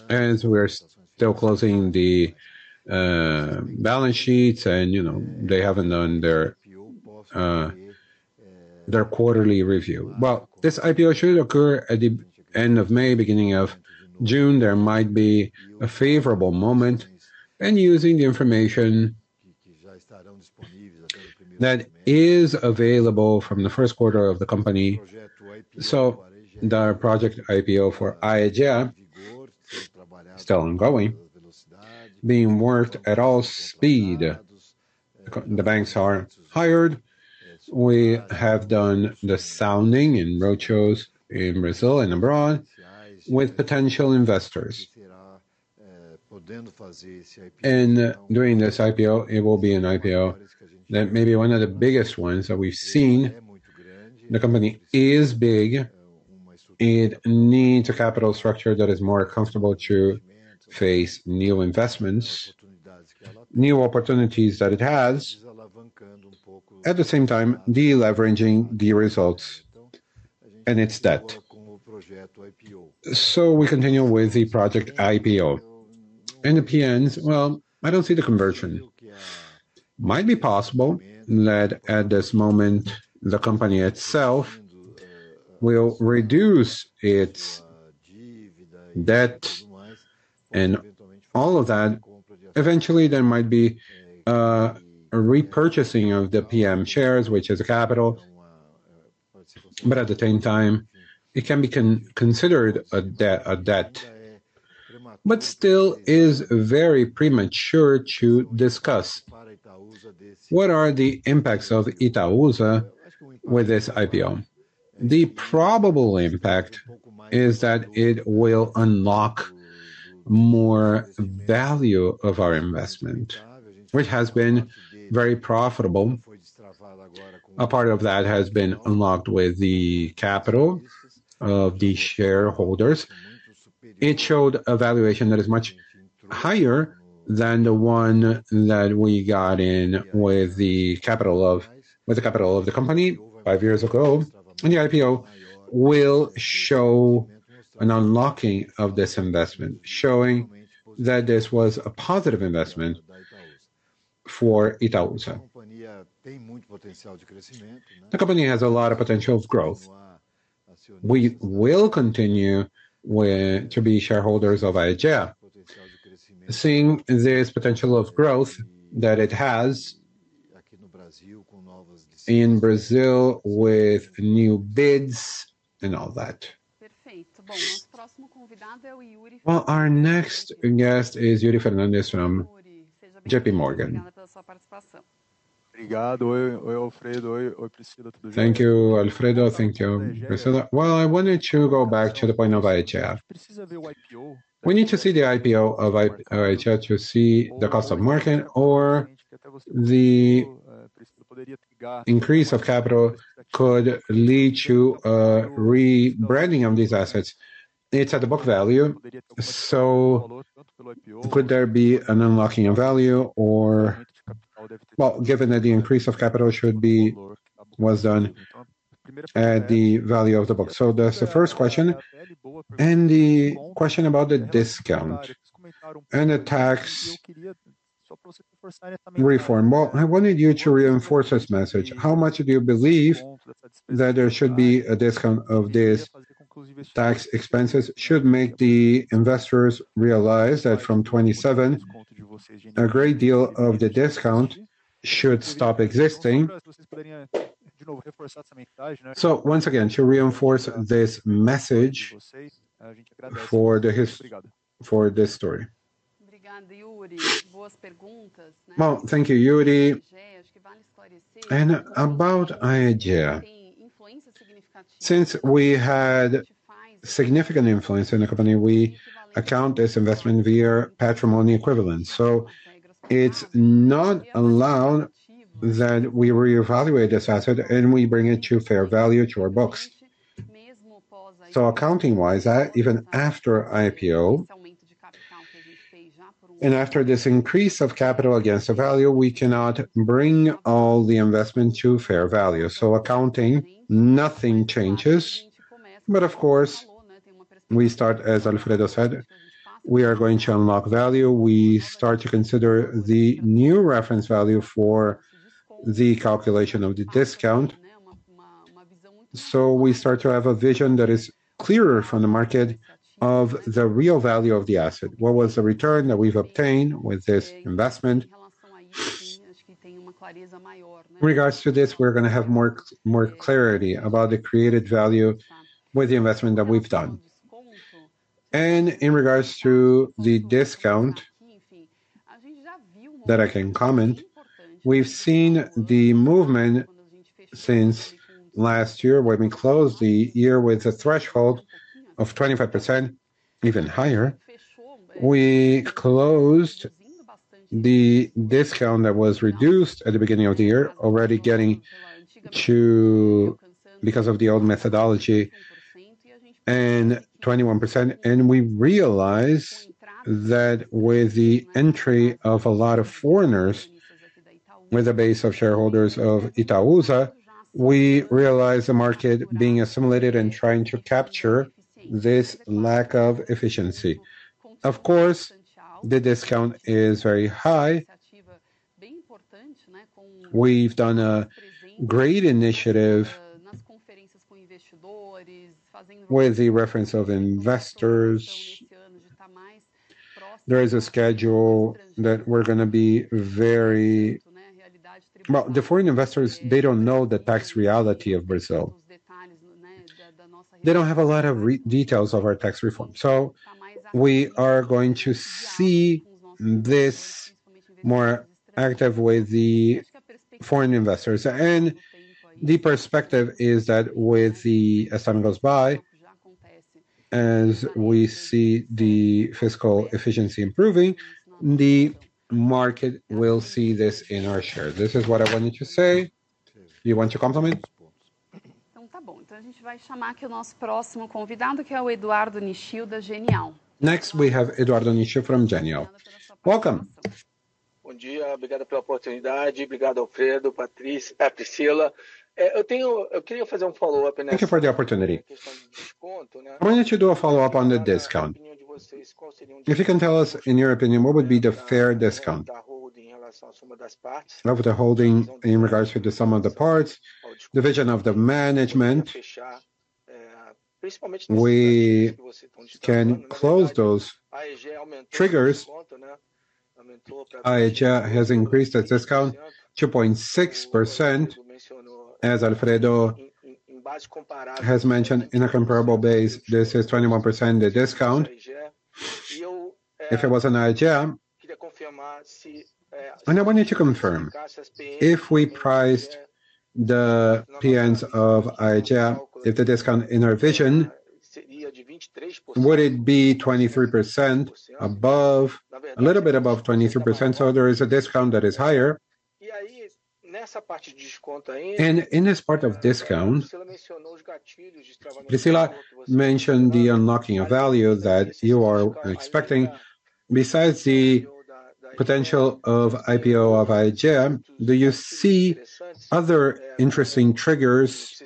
as we're still closing the balance sheets and, you know, they haven't done their quarterly review. Well, this IPO should occur at the end of May, beginning of June. There might be a favorable moment, using the information that is available from the first quarter of the company. The project IPO for Aegea is still ongoing, being worked at full speed. The banks are hired. We have done the sounding in roadshows in Brazil and abroad with potential investors. In doing this IPO, it will be an IPO that may be one of the biggest ones that we've seen. The company is big. It needs a capital structure that is more comfortable to face new investments, new opportunities that it has. At the same time, deleveraging the results and its debt. We continue with the project IPO. The PN, well, I don't see the conversion. Might be possible that at this moment the company itself will reduce its debt and all of that. Eventually, there might be a repurchasing of the PN shares, which is capital. But at the same time, it can be considered a debt. Still is very premature to discuss what are the impacts of Itaúsa with this IPO. The probable impact is that it will unlock more value of our investment, which has been very profitable. A part of that has been unlocked with the capital of the shareholders. It showed a valuation that is much higher than the one that we got in with the capital of the company five years ago. The IPO will show an unlocking of this investment, showing that this was a positive investment for Itaúsa. The company has a lot of potential of growth. We will continue to be shareholders of Aegea. Seeing there is potential of growth that it has in Brazil with new bids and all that. Well, our next guest is Yuri Fernandes from JPMorgan. Thank you, Alfredo. Thank you, Priscila. Well, I wanted to go back to the point of Aegea. We need to see the IPO of Aegea to see the cost of market or the increase of capital could lead to a re-rating of these assets. It's at the book value, so could there be an unlocking of value or. Well, given that the increase of capital was done at book value. So that's the first question. The question about the discount and the tax reform. Well, I wanted you to reinforce this message. How much do you believe that there should be a discount on this tax expense should make the investors realize that from 2027, a great deal of the discount should stop existing. Once again, to reinforce this message for this story. Well, thank you, Yuri. About Aegea, since we had significant influence in the company, we account this investment via the equity method. It's not allowed that we reevaluate this asset, and we bring it to fair value to our books. Accounting-wise, even after IPO and after this increase of capital against the value, we cannot bring all the investment to fair value. Accounting, nothing changes. Of course, we start, as Alfredo said, we are going to unlock value. We start to consider the new reference value for the calculation of the discount. We start to have a vision that is clearer from the market of the real value of the asset. What was the return that we've obtained with this investment? In regards to this, we're gonna have more clarity about the created value with the investment that we've done. In regards to the discount that I can comment, we've seen the movement since last year, when we closed the year with a threshold of 25%, even higher. We closed the discount that was reduced at the beginning of the year, already getting to 21% because of the old methodology, and we realized that with the entry of a lot of foreigners with a base of shareholders of Itaúsa, we realized the market being assimilated and trying to capture this lack of efficiency. Of course, the discount is very high. We've done a great initiative with the reference of investors. There is a schedule. Well, the foreign investors, they don't know the tax reality of Brazil. They don't have a lot of details of our tax reform. We are going to be more active with the foreign investors. The perspective is that as time goes by, as we see the fiscal efficiency improving, the market will see this in our share. This is what I wanted to say. You want to comment? Next, we have Eduardo Nishio from Genial. Welcome. Thank you for the opportunity. I wanted to do a follow-up on the discount. If you can tell us, in your opinion, what would be the fair discount of the holding in regards to the sum of the parts, the vision of the management. We can close those triggers. Itaúsa has increased its discount 2.6%, as Alfredo has mentioned. In a comparable base, this is 21%, the discount. I wanted to confirm, if we priced the PN of Itaúsa, if the discount in our vision would be a little bit above 23%, so there is a discount that is higher. In this part of discount, Priscila mentioned the unlocking of value that you are expecting. Besides the potential of IPO of Aegea, do you see other interesting triggers,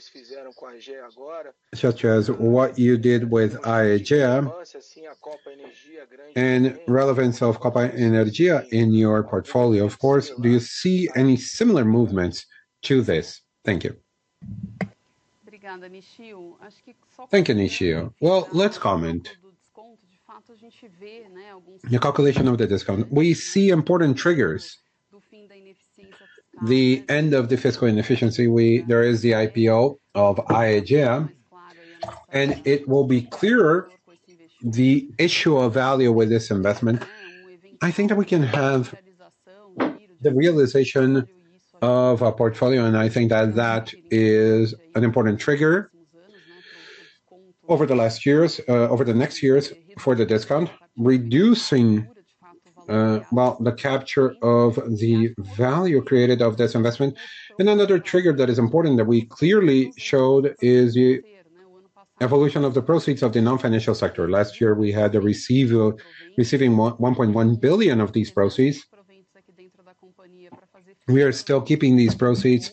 such as what you did with Aegea and relevance of Copa Energia in your portfolio, of course. Do you see any similar movements to this? Thank you. Thank you, Nishio. Well, let's comment. The calculation of the discount. We see important triggers. The end of the fiscal inefficiency, there is the IPO of Aegea, and it will be clearer the issue of value with this investment. I think that we can have the realization of our portfolio, and I think that that is an important trigger over the last years, over the next years for the discount, reducing, well, the capture of the value created of this investment. Another trigger that is important that we clearly showed is the evolution of the proceeds of the non-financial sector. Last year, we had receiving 1.1 billion of these proceeds. We are still keeping these proceeds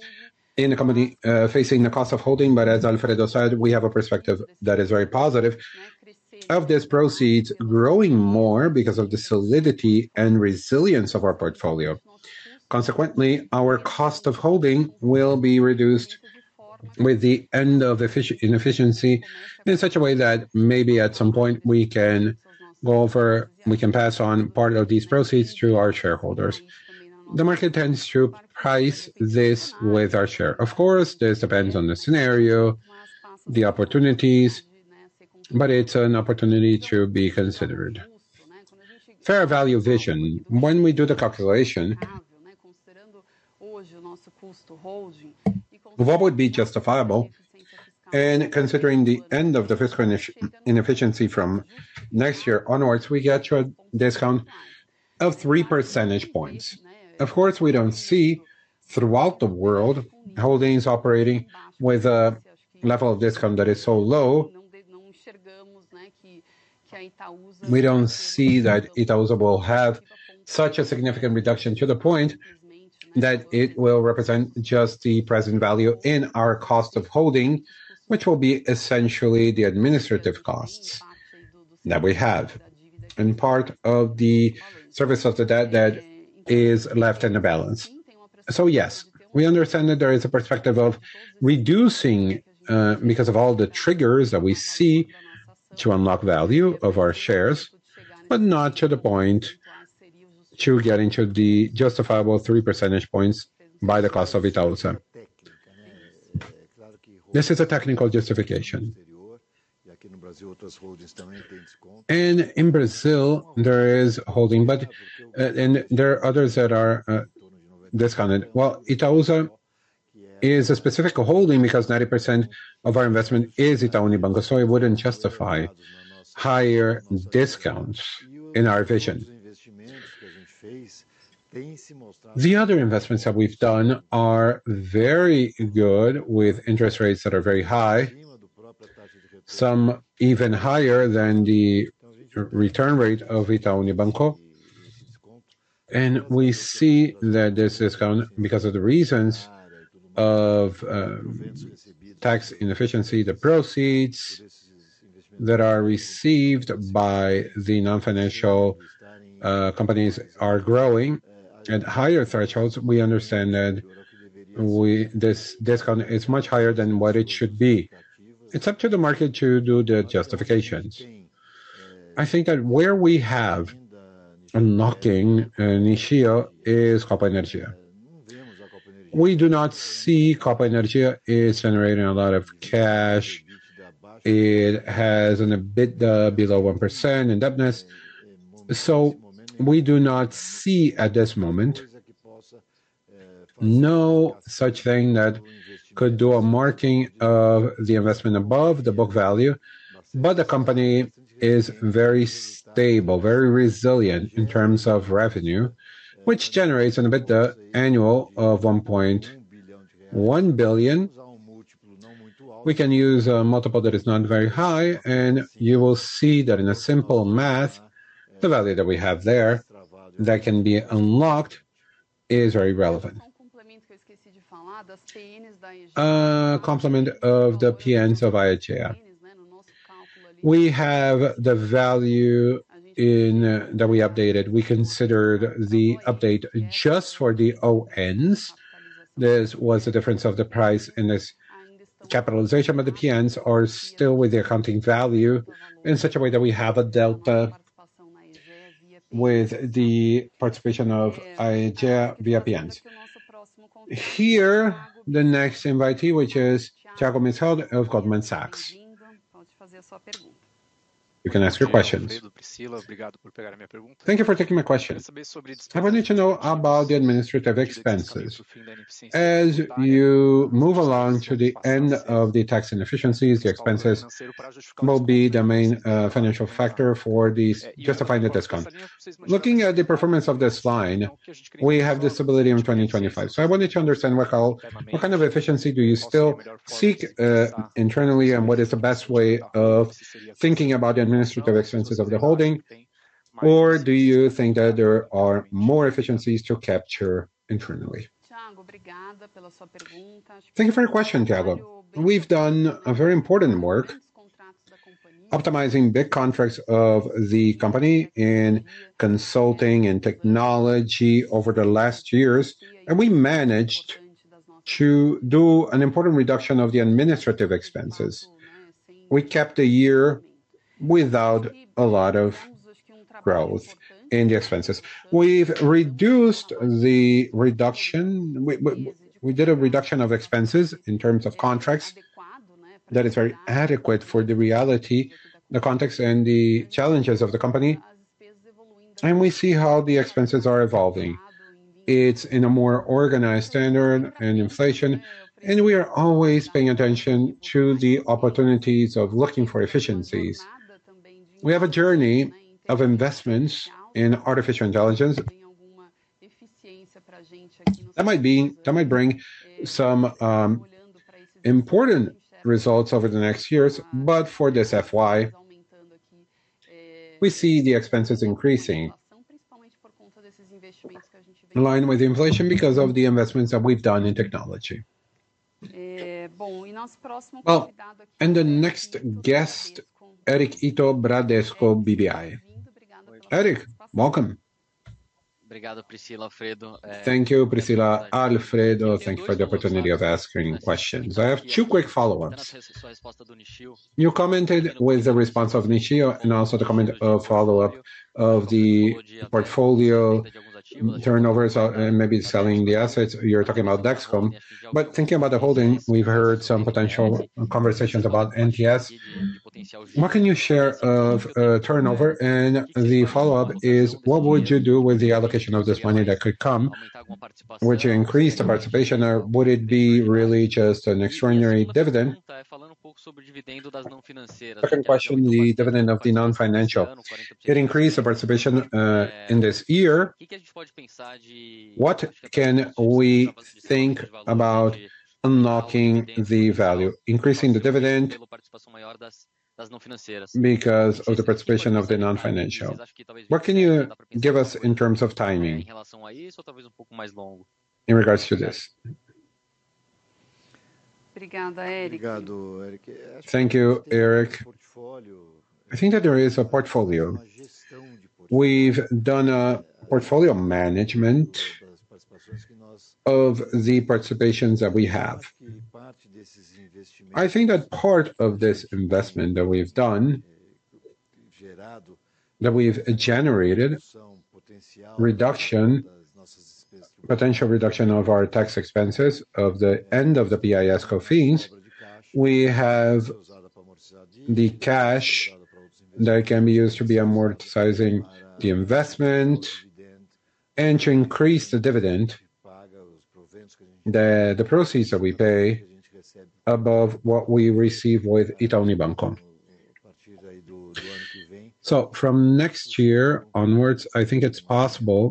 in the company, facing the cost of holding. As Alfredo said, we have a perspective that is very positive of these proceeds growing more because of the solidity and resilience of our portfolio. Consequently, our cost of holding will be reduced with the end of inefficiency in such a way that maybe at some point we can pass on part of these proceeds to our shareholders. The market tends to price this with our share. Of course, this depends on the scenario, the opportunities, but it's an opportunity to be considered. Fair value vision. When we do the calculation, what would be justifiable and considering the end of the fiscal inefficiency from next year onwards, we get to a discount of three percentage points. Of course, we don't see throughout the world holdings operating with a level of discount that is so low. We don't see that Itaúsa will have such a significant reduction to the point that it will represent just the present value in our cost of holding, which will be essentially the administrative costs that we have and part of the service of the debt that is left in the balance. Yes, we understand that there is a perspective of reducing, because of all the triggers that we see to unlock value of our shares, but not to the point to get into the justifiable three percentage points by the cost of Itaúsa. This is a technical justification. In Brazil, there is holding, but, and there are others that are, discounted. Well, Itaúsa is a specific holding because 90% of our investment is Itaú Unibanco, so it wouldn't justify higher discounts in our vision. The other investments that we've done are very good with interest rates that are very high, some even higher than the required return rate of Itaú Unibanco. We see that this discount, because of the reasons of tax inefficiency, the proceeds that are received by the non-financial companies are growing. At higher thresholds, we understand that this discount is much higher than what it should be. It's up to the market to do the justifications. I think that where we have unlocking, Nishio, is Copa Energia. We do not see Copa Energia is generating a lot of cash. It has an EBITDA below 1%, indebtedness. We do not see at this moment no such thing that could do a marking of the investment above the book value. The company is very stable, very resilient in terms of revenue, which generates an EBITDA annual of 1.1 billion. We can use a multiple that is not very high, and you will see that in a simple math, the value that we have there that can be unlocked is very relevant. Complement of the PNs of Aegea. We have the value in that we updated. We considered the update just for the ONs. This was the difference of the price and this capitalization, but the PNs are still with the accounting value in such a way that we have a delta with the participation of Aegea via PNs. Here, the next invitee, which is Thiago of Goldman Sachs. You can ask your questions. Thank you for taking my question. I wanted to know about the administrative expenses. As you move along to the end of the tax inefficiencies, the expenses will be the main financial factor for these justifying the discount. Looking at the performance of this line, we have this visibility in 2025. I wanted to understand what kind of efficiency do you still seek internally, and what is the best way of thinking about the administrative expenses of the holding? Or do you think that there are more efficiencies to capture internally? Thank you for your question, Thiago. We've done a very important work optimizing the contracts of the company in consulting and technology over the last years, and we managed to do an important reduction of the administrative expenses. We kept a year without a lot of growth in the expenses. We've reduced the reduction. We did a reduction of expenses in terms of contracts that is very adequate for the reality, the context and the challenges of the company. We see how the expenses are evolving. It's in a more organized standard and inflation, and we are always paying attention to the opportunities of looking for efficiencies. We have a journey of investments in artificial intelligence. That might bring some important results over the next years. For this FY, we see the expenses increasing in line with inflation because of the investments that we've done in technology. The next guest, Eric Ito, Bradesco BBI. Eric, welcome. Thank you, Priscila, Alfredo. Thank you for the opportunity of asking questions. I have two quick follow-ups. You commented with the response of Nishio and also the comment of follow-up of the portfolio turnover. Maybe selling the assets, you're talking about Dexco. Thinking about the holding, we've heard some potential conversations about NTS. What can you share of turnover? The follow-up is what would you do with the allocation of this money that could come? Would you increase the participation or would it be really just an extraordinary dividend? Second question, the dividend of the non-financial. It increased the participation in this year. What can we think about unlocking the value, increasing the dividend because of the participation of the non-financial? What can you give us in terms of timing in regards to this? Thank you, Eric. I think that there is a portfolio. We've done a portfolio management of the participations that we have. I think that part of this investment that we've done, that we've generated reduction, potential reduction of our tax expenses of the end of the PIS/Cofins, we have the cash that can be used to be amortizing the investment and to increase the dividend, the proceeds that we pay above what we receive with Itaú Unibanco. From next year onwards, I think it's possible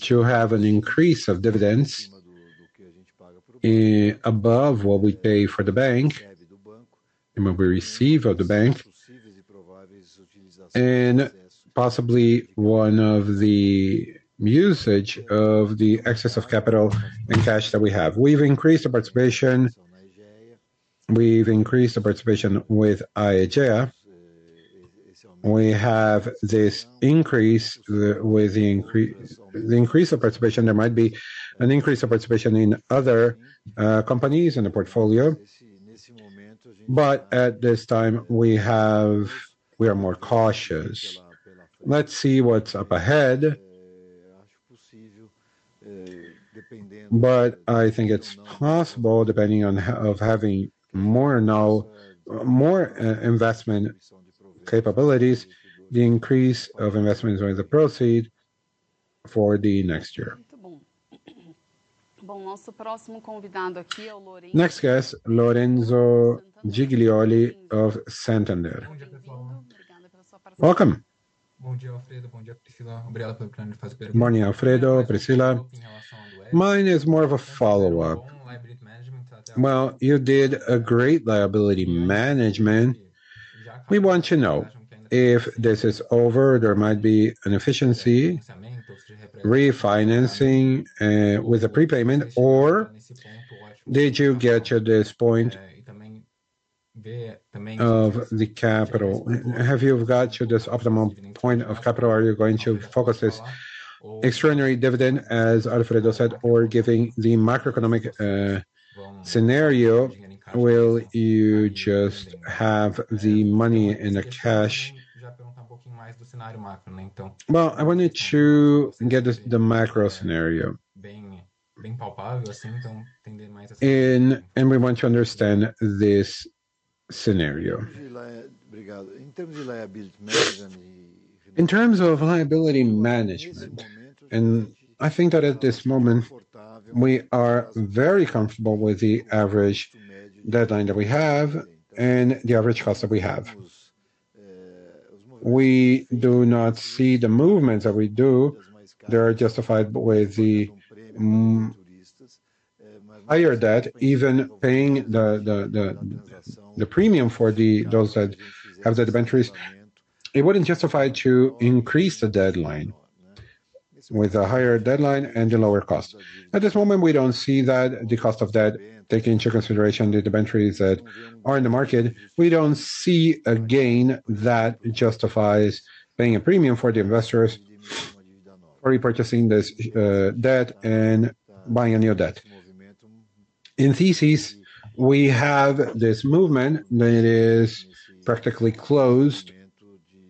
to have an increase of dividends above what we pay for the bank and what we receive of the bank, and possibly one of the usage of the excess of capital and cash that we have. We've increased the participation with Aegea. We have this increase of participation. There might be an increase of participation in other companies in the portfolio. At this time we have. We are more cautious. Let's see what's up ahead. I think it's possible, depending on of having more investment capabilities, the increase of investments or the proceeds for the next year. Next guest, Lorenzo Giglioli of Santander. Welcome. Morning, Alfredo. Priscila. Mine is more of a follow-up. Well, you did a great liability management. We want to know if this is over, there might be an efficiency refinancing with a prepayment or did you get to this point of the capital? Have you got to this optimum point of capital? Are you going to focus this extraordinary dividend, as Alfredo said, or given the macroeconomic scenario, will you just have the money in cash? Well, I wanted to get the macro scenario, and we want to understand this scenario. In terms of liability management, I think that at this moment we are very comfortable with the average deadline that we have and the average cost that we have. We do not see the movements that we do that are justified with the higher debt, even paying the premium for those that have the debentures. It wouldn't justify to increase the deadline with a higher deadline and a lower cost. At this moment, we don't see that the cost of debt, taking into consideration the debentures that are in the market, we don't see a gain that justifies paying a premium for the investors or repurchasing this debt and buying a new debt. In thesis, we have this movement that is practically closed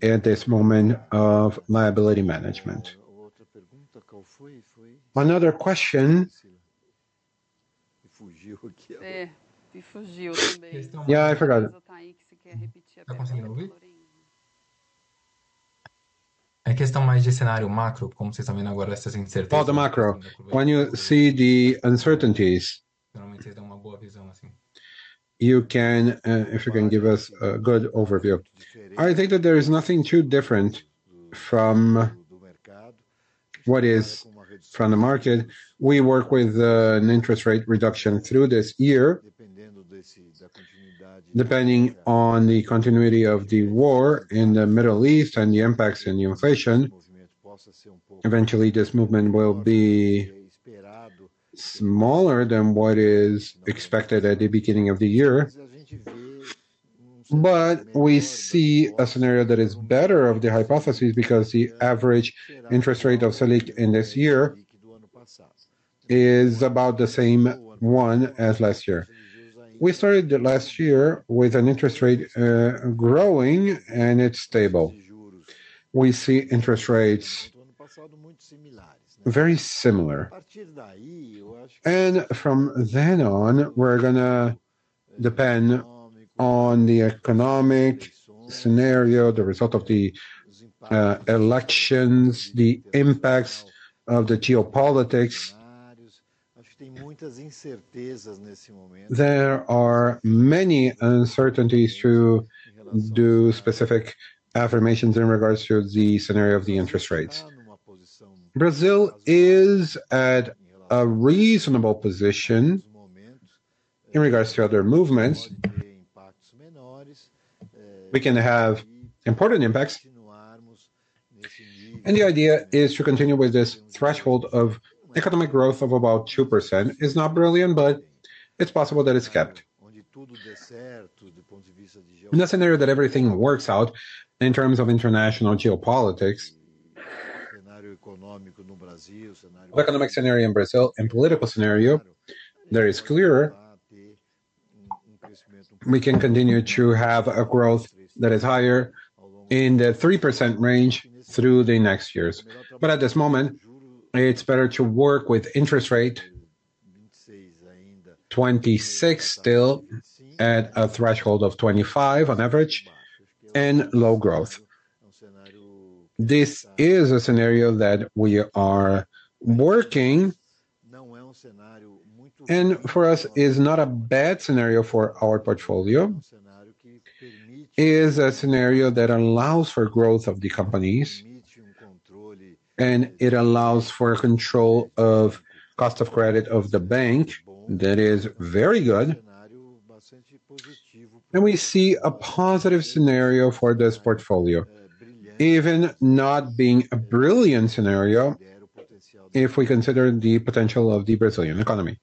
at this moment of liability management. Another question. Yeah, I forgot. About the macro, when you see the uncertainties. You can, if you can give us a good overview. I think that there is nothing too different from what is from the market. We work with an interest rate reduction through this year. Depending on the continuity of the war in the Middle East and the impacts in the inflation, eventually this movement will be smaller than what is expected at the beginning of the year. We see a scenario that is better of the hypothesis because the average interest rate of Selic in this year is about the same one as last year. We started last year with an interest rate growing, and it's stable. We see interest rates very similar. From then on, we're gonna depend on the economic scenario, the result of the elections, the impacts of the geopolitics. There are many uncertainties to do specific affirmations in regards to the scenario of the interest rates. Brazil is at a reasonable position in regards to other movements. We can have important impacts. The idea is to continue with this threshold of economic growth of about 2%. It's not brilliant, but it's possible that it's kept. In a scenario that everything works out in terms of international geopolitics, economic scenario in Brazil and political scenario, that is clearer, we can continue to have a growth that is higher in the 3% range through the next years. At this moment, it's better to work with interest rate 26 still at a threshold of 25 on average and low growth. This is a scenario that we are working, and for us is not a bad scenario for our portfolio. It is a scenario that allows for growth of the companies, and it allows for control of cost of credit of the bank. That is very good. We see a positive scenario for this portfolio, even not being a brilliant scenario if we consider the potential of the Brazilian economy.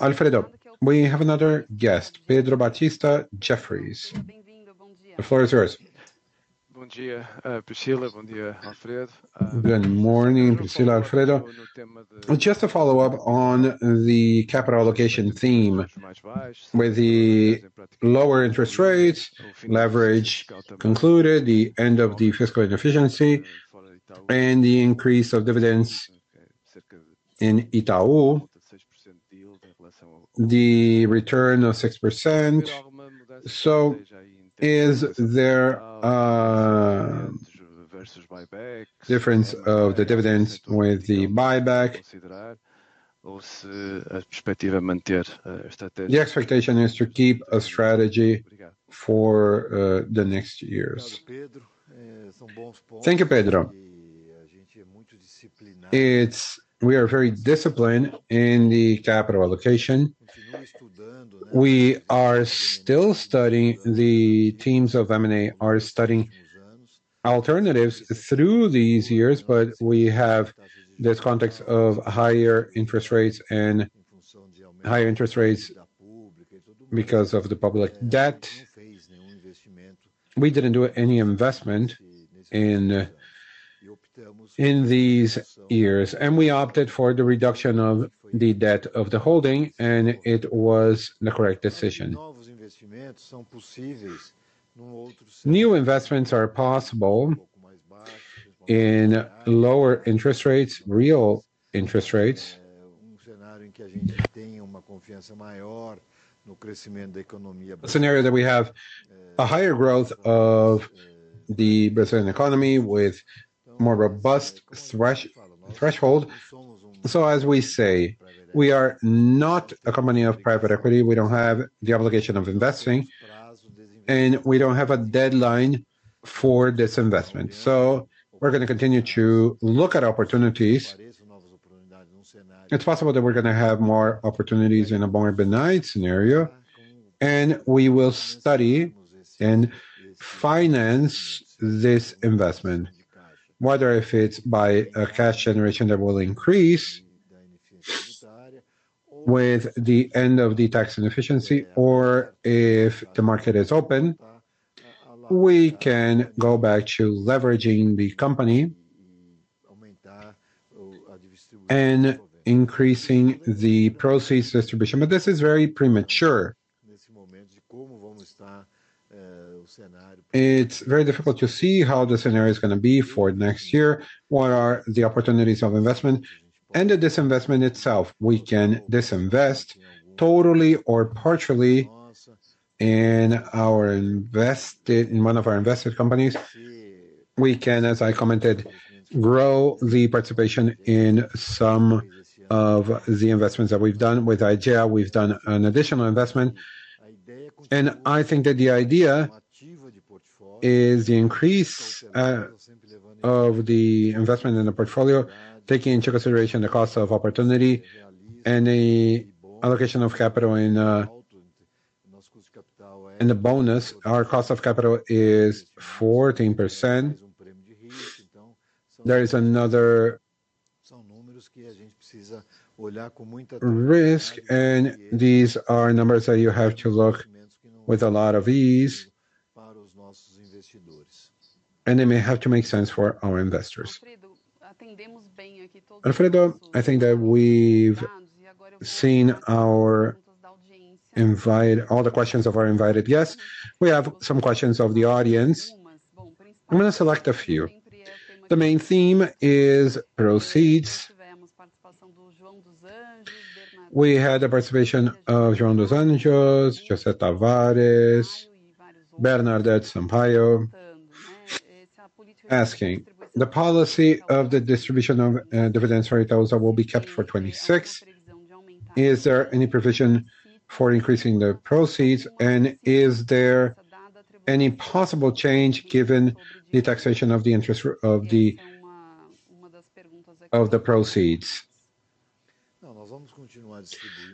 Alfredo, we have another guest, Pedro Baptista, Jefferies. The floor is yours. Good morning, Priscila, Alfredo. Just a follow-up on the capital allocation theme. With the lower interest rates, leverage concluded, the end of the fiscal inefficiency, and the increase of dividends in Itaú, the return of 6%. Is there a difference of the dividends with the buyback? The expectation is to keep a strategy for the next years. Thank you, Pedro. We are very disciplined in the capital allocation. We are still studying, the teams of M&A are studying alternatives through these years, but we have this context of higher interest rates because of the public debt. We didn't do any investment in these years, and we opted for the reduction of the debt of the holding, and it was the correct decision. New investments are possible in lower interest rates, real interest rates. A scenario that we have a higher growth of the Brazilian economy with more robust threshold. As we say, we are not a company of private equity. We don't have the obligation of investing, and we don't have a deadline for this investment. We're gonna continue to look at opportunities. It's possible that we're gonna have more opportunities in a more benign scenario, and we will study and finance this investment. Whether if it's by a cash generation that will increase with the end of the tax inefficiency or if the market is open, we can go back to leveraging the company and increasing the proceeds distribution. This is very premature. It's very difficult to see how the scenario is gonna be for next year. What are the opportunities of investment and the disinvestment itself. We can disinvest totally or partially in one of our invested companies. We can, as I commented, grow the participation in some of the investments that we've done. With Aegea, we've done an additional investment. I think that the idea is the increase of the investment in the portfolio, taking into consideration the cost of opportunity and the allocation of capital in the business. Our cost of capital is 14%. There is another risk, and these are numbers that you have to look with a lot of ease, and they may have to make sense for our investors. Alfredo, I think that we've seen all the questions of our invited guests. We have some questions of the audience. I'm gonna select a few. The main theme is proceeds. We had the participation of João dos Anjos, José Tavares, Bernadette Sampaio, asking, the policy of the distribution of dividends for Itaúsa will be kept for 2026. Is there any provision for increasing the proceeds, and is there any possible change given the taxation of the interest of the proceeds?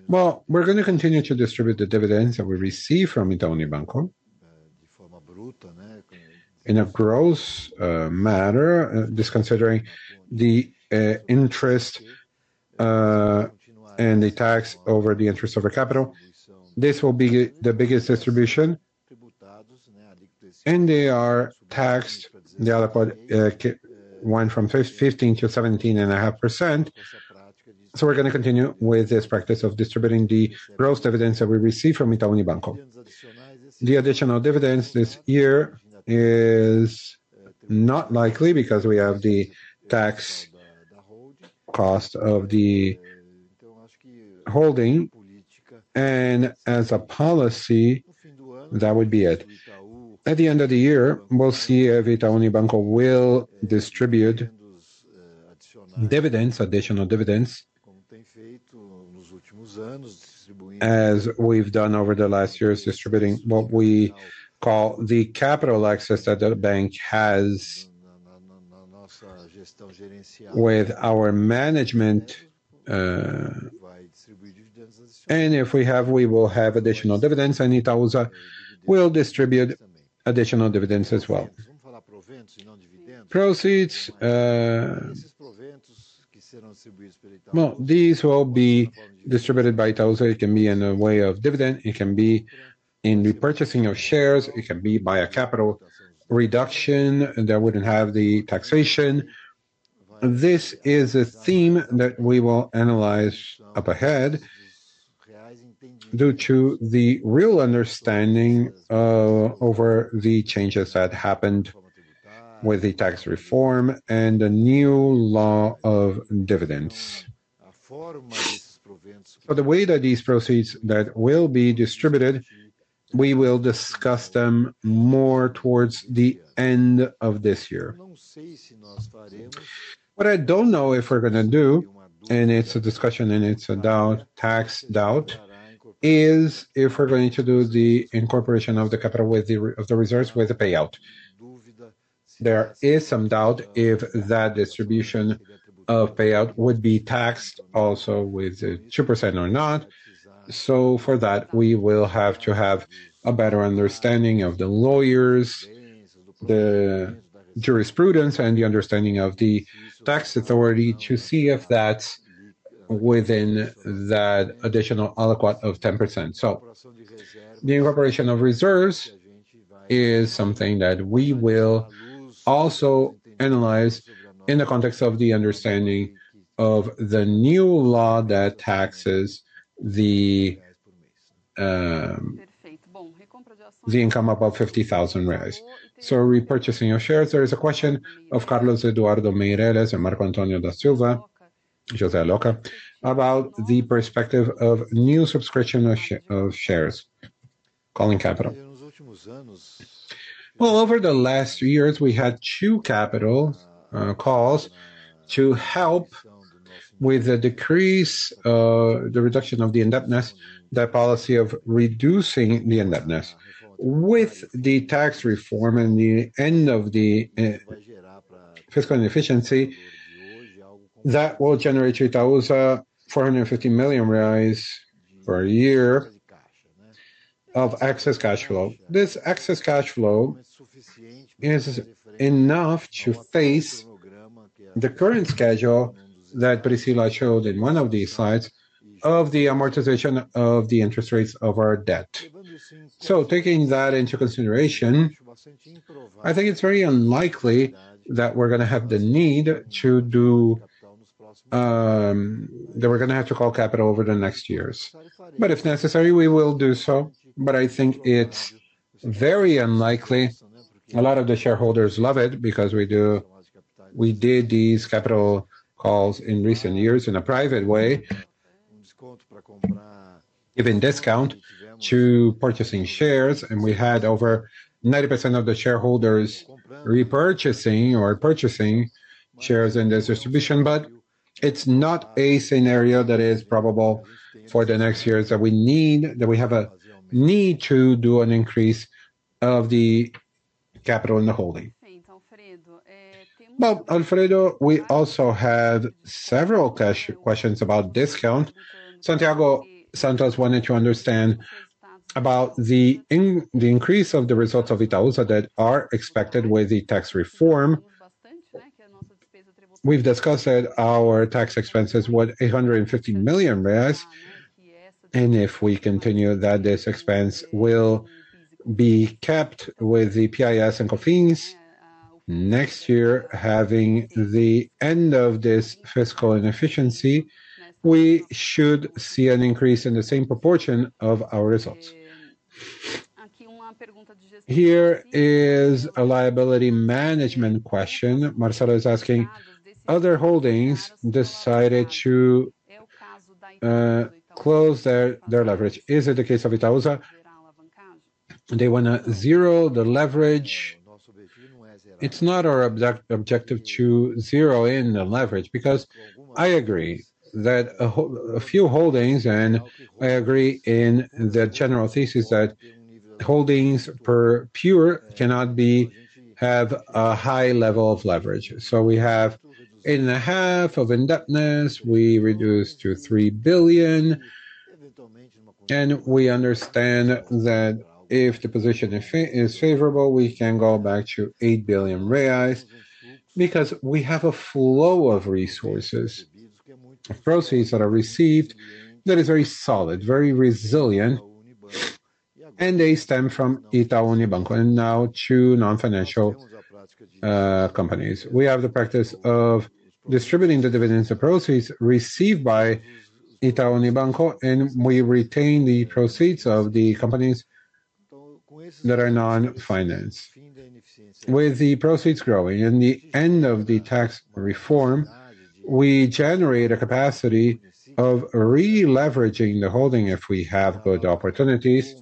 Well, we're gonna continue to distribute the dividends that we receive from Itaú Unibanco. In a gross manner, disconsidering the interest and the tax over the interest over capital. This will be the biggest distribution. They are taxed, the other part, came from 15%-17.5%. We're gonna continue with this practice of distributing the gross dividends that we receive from Itaú Unibanco. The additional dividends this year is not likely because we have the tax cost of the holding and as a policy, that would be it. At the end of the year, we'll see if Itaú Unibanco will distribute dividends, additional dividends, as we've done over the last years, distributing what we call the capital excess that the bank has with our management. If we have, we will have additional dividends, and Itaúsa will distribute additional dividends as well. Proceeds. Well, these will be distributed by Itaúsa. It can be in a way of dividend. It can be in repurchasing of shares. It can be by a capital reduction that wouldn't have the taxation. This is a theme that we will analyze up ahead due to the real understanding over the changes that happened with the tax reform and the new law of dividends. The way that these proceeds that will be distributed, we will discuss them more towards the end of this year. What I don't know if we're gonna do, and it's a discussion and it's a doubt, tax doubt, is if we're going to do the incorporation of the capital with the reserves with a payout. There is some doubt if that distribution of payout would be taxed also with the 2% or not. For that, we will have to have a better understanding of the lawyers, the jurisprudence, and the understanding of the tax authority to see if that's within that additional aliquot of 10%. The incorporation of reserves is something that we will also analyze in the context of the understanding of the new law that taxes the income above 50,000 reais. Repurchasing your shares, there is a question of Carlos Eduardo Meireles and Marco Antonio da Silva, José Loca, about the perspective of new subscription of shares. Calling capital. Over the last years, we had two capital calls to help with the decrease, the reduction of the indebtedness, the policy of reducing the indebtedness. With the tax reform and the end of the fiscal inefficiency, that will generate 8,450 million reais for a year of excess cash flow. This excess cash flow is enough to face the current schedule that Priscila showed in one of the slides of the amortization of the interest rates of our debt. Taking that into consideration, I think it's very unlikely that we're gonna have to call capital over the next years. But if necessary, we will do so, but I think it's very unlikely. A lot of the shareholders love it because we did these capital calls in recent years in a private way. Give a discount to purchasing shares, and we had over 90% of the shareholders repurchasing or purchasing shares in this distribution. It's not a scenario that is probable for the next years that we have a need to do an increase of the capital in the holding. Alfredo, we also had several questions about discount. Santiago Santos wanted to understand about the increase of the results of Itaúsa that are expected with the tax reform. We've discussed that our tax expense is worth 850 million reais, and if we continue that, this expense will be kept with the PIS and COFINS. Next year, having the end of this fiscal inefficiency, we should see an increase in the same proportion of our results. Here is a liability management question. Marcelo is asking, "Other holdings decided to close their leverage. Is it the case of Itaúsa?" They wanna zero the leverage. It's not our objective to zero in the leverage, because I agree that a few holdings, and I agree in the general thesis that holdings per se cannot have a high level of leverage. We have 8.5 of indebtedness, we reduced to 3 billion, and we understand that if the position is favorable, we can go back to 8 billion reais because we have a flow of resources, proceeds that are received that is very solid, very resilient, and they stem from Itaú Unibanco and now two non-financial companies. We have the practice of distributing the dividends of proceeds received by Itaú Unibanco, and we retain the proceeds of the companies that are non-financial. With the proceeds growing and the end of the tax reform, we generate a capacity of re-leveraging the holding if we have good opportunities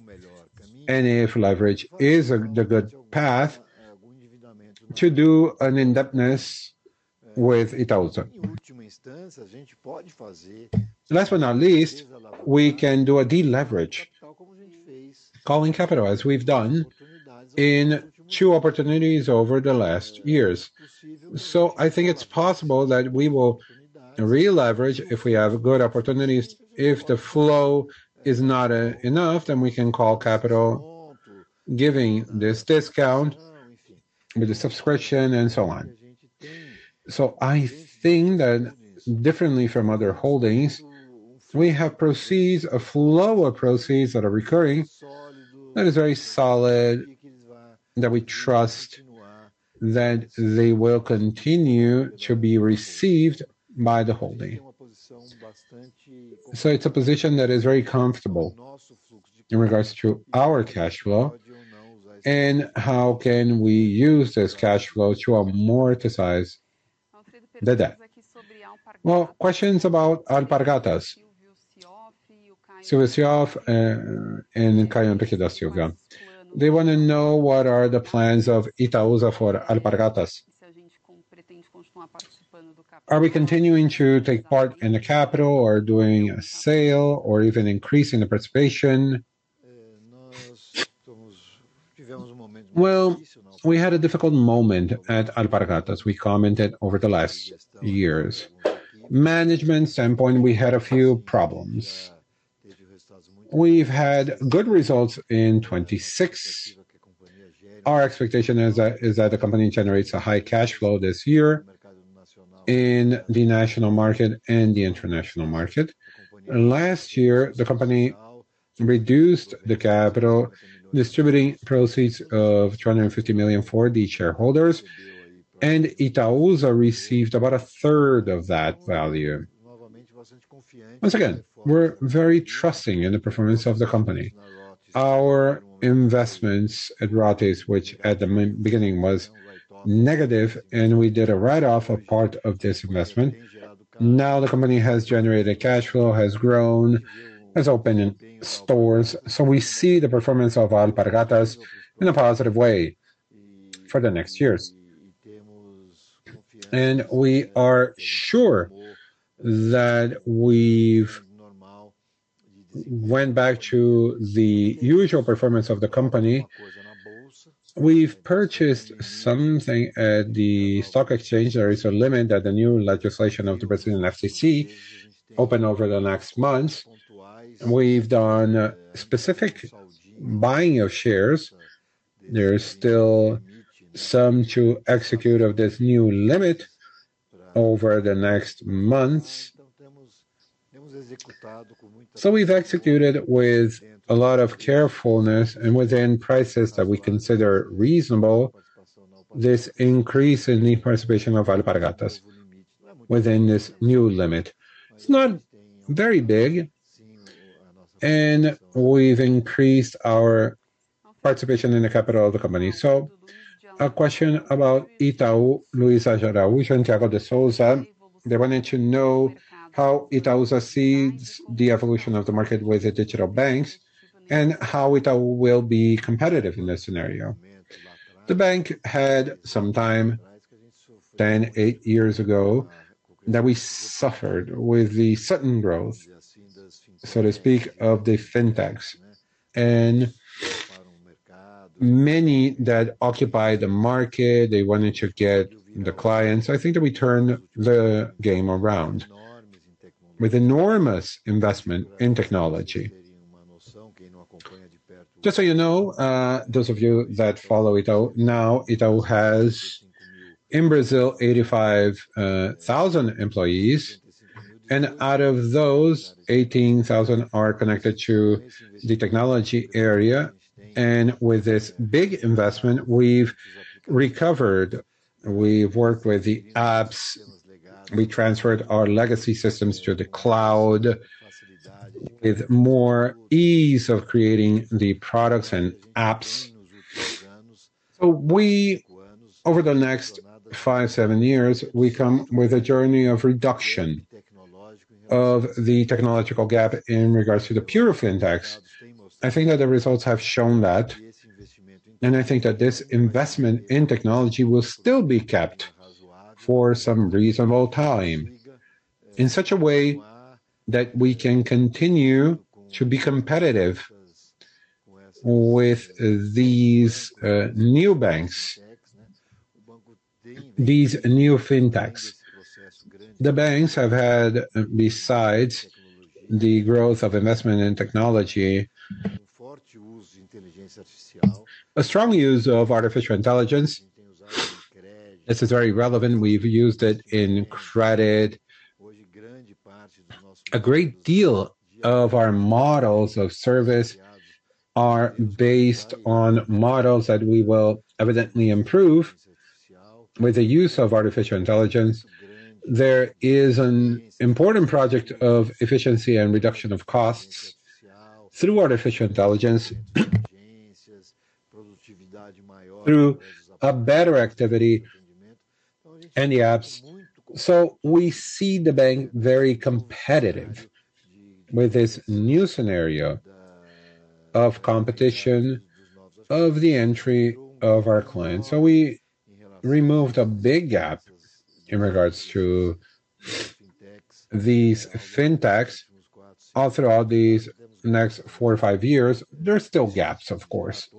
and if leverage is a, the good path to do an indebtedness with Itaúsa. Last but not least, we can do a deleverage, calling capital as we've done in two opportunities over the last years. I think it's possible that we will re-leverage if we have good opportunities. If the flow is not enough, then we can call capital giving this discount with the subscription and so on. I think that differently from other holdings, we have proceeds, a flow of proceeds that are recurring that is very solid, that we trust that they will continue to be received by the holding. It's a position that is very comfortable in regards to our cash flow and how can we use this cash flow to amortize the debt. Well, questions about Alpargatas. Silvio Siof and Caiuby da Silva. They wanna know what are the plans of Itaúsa for Alpargatas. Are we continuing to take part in the capital, or doing a sale or even increasing the participation? Well, we had a difficult moment at Alpargatas. We commented over the last years. Management standpoint, we had a few problems. We've had good results in 2026. Our expectation is that the company generates a high cash flow this year. In the national market and the international market. Last year, the company reduced the capital, distributing proceeds of 250 million for the shareholders, and Itaúsa received about a third of that value. Once again, we're very trusting in the performance of the company. Our investments at Rothy's, which at the beginning was negative, and we did a write-off of part of this investment. Now the company has generated cash flow, has grown, has opened stores. We see the performance of Alpargatas in a positive way for the next years. We are sure that we've went back to the usual performance of the company. We've purchased something at the stock exchange. There is a limit that the new legislation of the Brazilian CVM opened over the next months. We've done specific buying of shares. There is still some to execute of this new limit over the next months. We've executed with a lot of carefulness and within prices that we consider reasonable, this increase in the participation of Alpargatas within this new limit. It's not very big, and we've increased our participation in the capital of the company. A question about Itaú, Luiza Araujo and Thiago de Souza, they wanted to know how Itaúsa sees the evolution of the market with the digital banks and how Itaú will be competitive in this scenario. The bank had some time, 10, 8 years ago, that we suffered with the sudden growth, so to speak, of the FinTechs and many that occupy the market, they wanted to get the clients. I think that we turned the game around with enormous investment in technology. Just so you know, those of you that follow Itaú, now Itaú has, in Brazil, 85,000 employees, and out of those, 18,000 are connected to the technology area. With this big investment, we've recovered. We've worked with the apps. We transferred our legacy systems to the cloud with more ease of creating the products and apps. Over the next 5-7 years, we come with a journey of reduction of the technological gap in regards to the pure FinTechs. I think that the results have shown that, and I think that this investment in technology will still be kept for some reasonable time in such a way that we can continue to be competitive with these, new banks, these new FinTechs. The banks have had, besides the growth of investment in technology, a strong use of artificial intelligence. This is very relevant. We've used it in credit. A great deal of our models of service are based on models that we will evidently improve with the use of artificial intelligence. There is an important project of efficiency and reduction of costs through artificial intelligence, through a better activity in the apps. We see the bank very competitive with this new scenario of competition, of the entry of our clients. We removed a big gap in regards to these FinTechs. All throughout these next four or five years, there are still gaps, of course.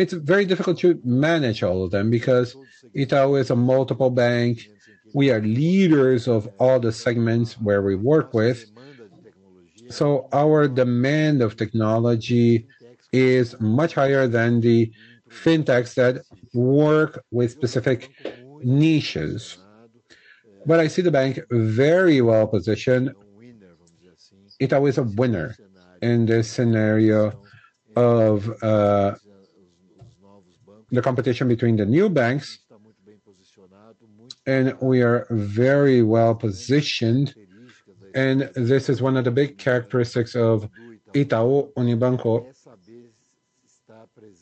It's very difficult to manage all of them because Itaú is a multiple bank. We are leaders of all the segments where we work with. Our demand of technology is much higher than the FinTechs that work with specific niches. I see the bank very well-positioned. Itaú is a winner in this scenario of the competition between the new banks, and we are very well-positioned. This is one of the big characteristics of Itaú Unibanco.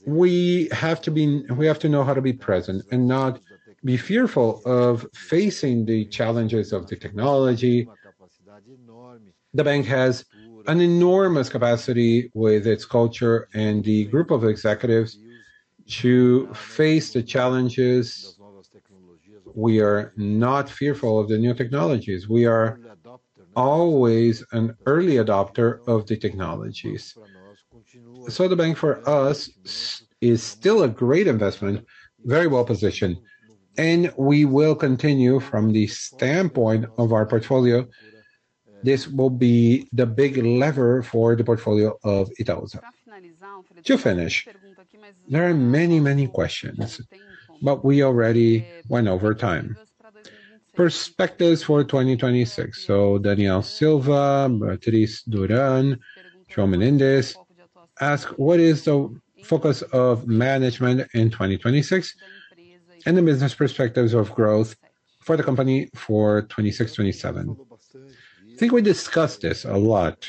We have to be, we have to know how to be present and not be fearful of facing the challenges of the technology. The bank has an enormous capacity with its culture and the group of executives to face the challenges. We are not fearful of the new technologies. We are always an early adopter of the technologies. The bank, for us, is still a great investment, very well-positioned, and we will continue from the standpoint of our portfolio. This will be the big lever for the portfolio of Itaúsa. To finish, there are many, many questions, but we already went over time. Perspectives for 2026. Daniel Silva, Patrice Duran, Joel Menendez ask: What is the focus of management in 2026, and the business perspectives of growth for the company for 2026, 2027? I think we discussed this a lot.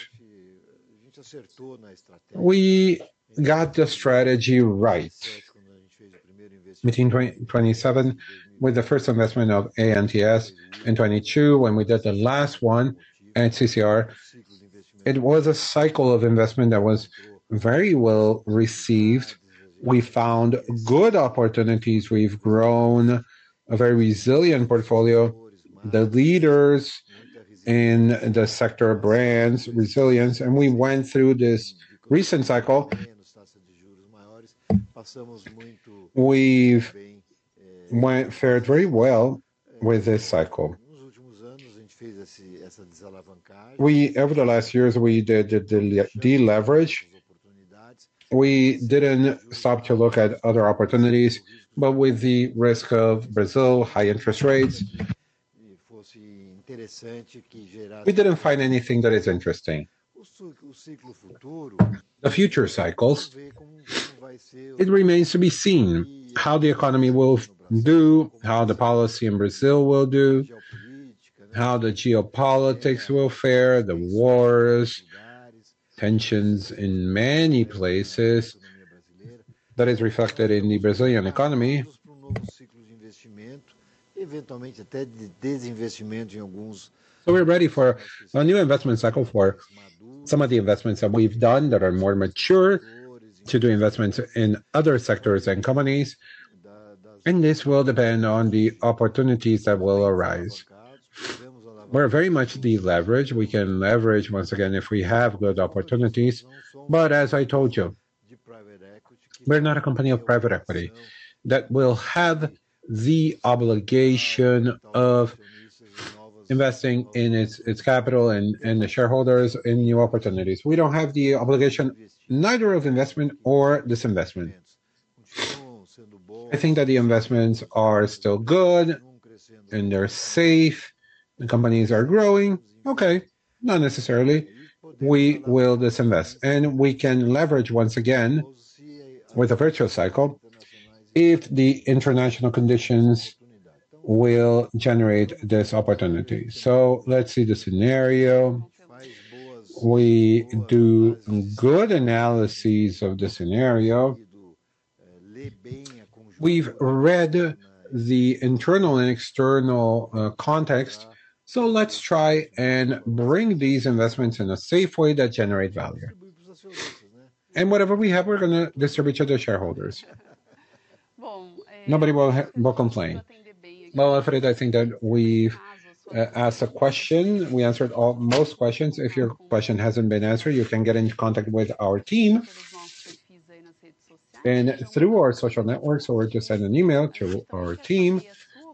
We got the strategy right between 2020-2027 with the first investment of NTS, in 2022 when we did the last one at CCR. It was a cycle of investment that was very well received. We found good opportunities. We've grown a very resilient portfolio. The leaders in the sector, brands, resilience, and we went through this recent cycle. We've fared very well with this cycle. Over the last years, we did the deleverage. We didn't stop to look at other opportunities, but with the risk of Brazil, high interest rates, we didn't find anything that is interesting. The future cycles, it remains to be seen how the economy will do, how the policy in Brazil will do, how the geopolitics will fare, the wars, tensions in many places that is reflected in the Brazilian economy. We're ready for a new investment cycle for some of the investments that we've done that are more mature to do investments in other sectors and companies, and this will depend on the opportunities that will arise. We're very much deleveraged. We can leverage once again if we have good opportunities. As I told you, we're not a company of private equity that will have the obligation of investing in its capital and the shareholders in new opportunities. We don't have the obligation neither of investment or disinvestment. I think that the investments are still good, and they're safe. The companies are growing. Okay, not necessarily we will disinvest. We can leverage once again with a virtuous cycle if the international conditions will generate this opportunity. Let's see the scenario. We do good analyses of the scenario. We've read the internal and external context, so let's try and bring these investments in a safe way that generate value. Whatever we have, we're gonna distribute to the shareholders. Well, nobody will complain. Well, Alfredo, I think that we've asked a question. We answered most questions. If your question hasn't been answered, you can get in contact with our team and through our social networks or just send an email to our team.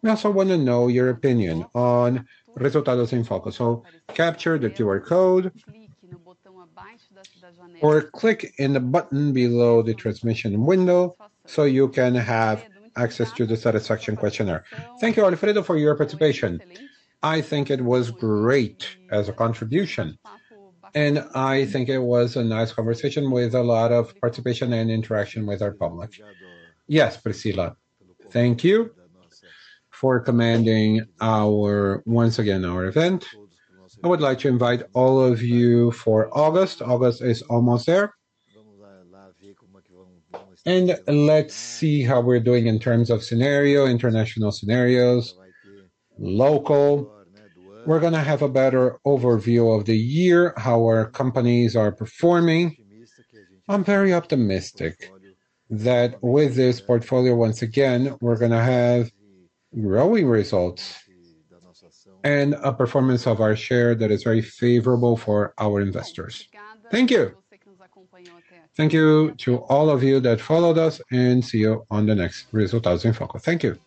We also wanna know your opinion on Resultados em Foco. Capture the QR code or click on the button below the transmission window, so you can have access to the satisfaction questionnaire. Thank you, Alfredo, for your participation. I think it was great as a contribution, and I think it was a nice conversation with a lot of participation and interaction with our public. Yes, Priscila, thank you for commanding our, once again, our event. I would like to invite all of you for August. August is almost there. Let's see how we're doing in terms of scenario, international scenarios, local. We're gonna have a better overview of the year, how our companies are performing. I'm very optimistic that with this portfolio, once again, we're gonna have growing results and a performance of our share that is very favorable for our investors. Thank you. Thank you to all of you that followed us, and see you on the next Resultados em Foco. Thank you.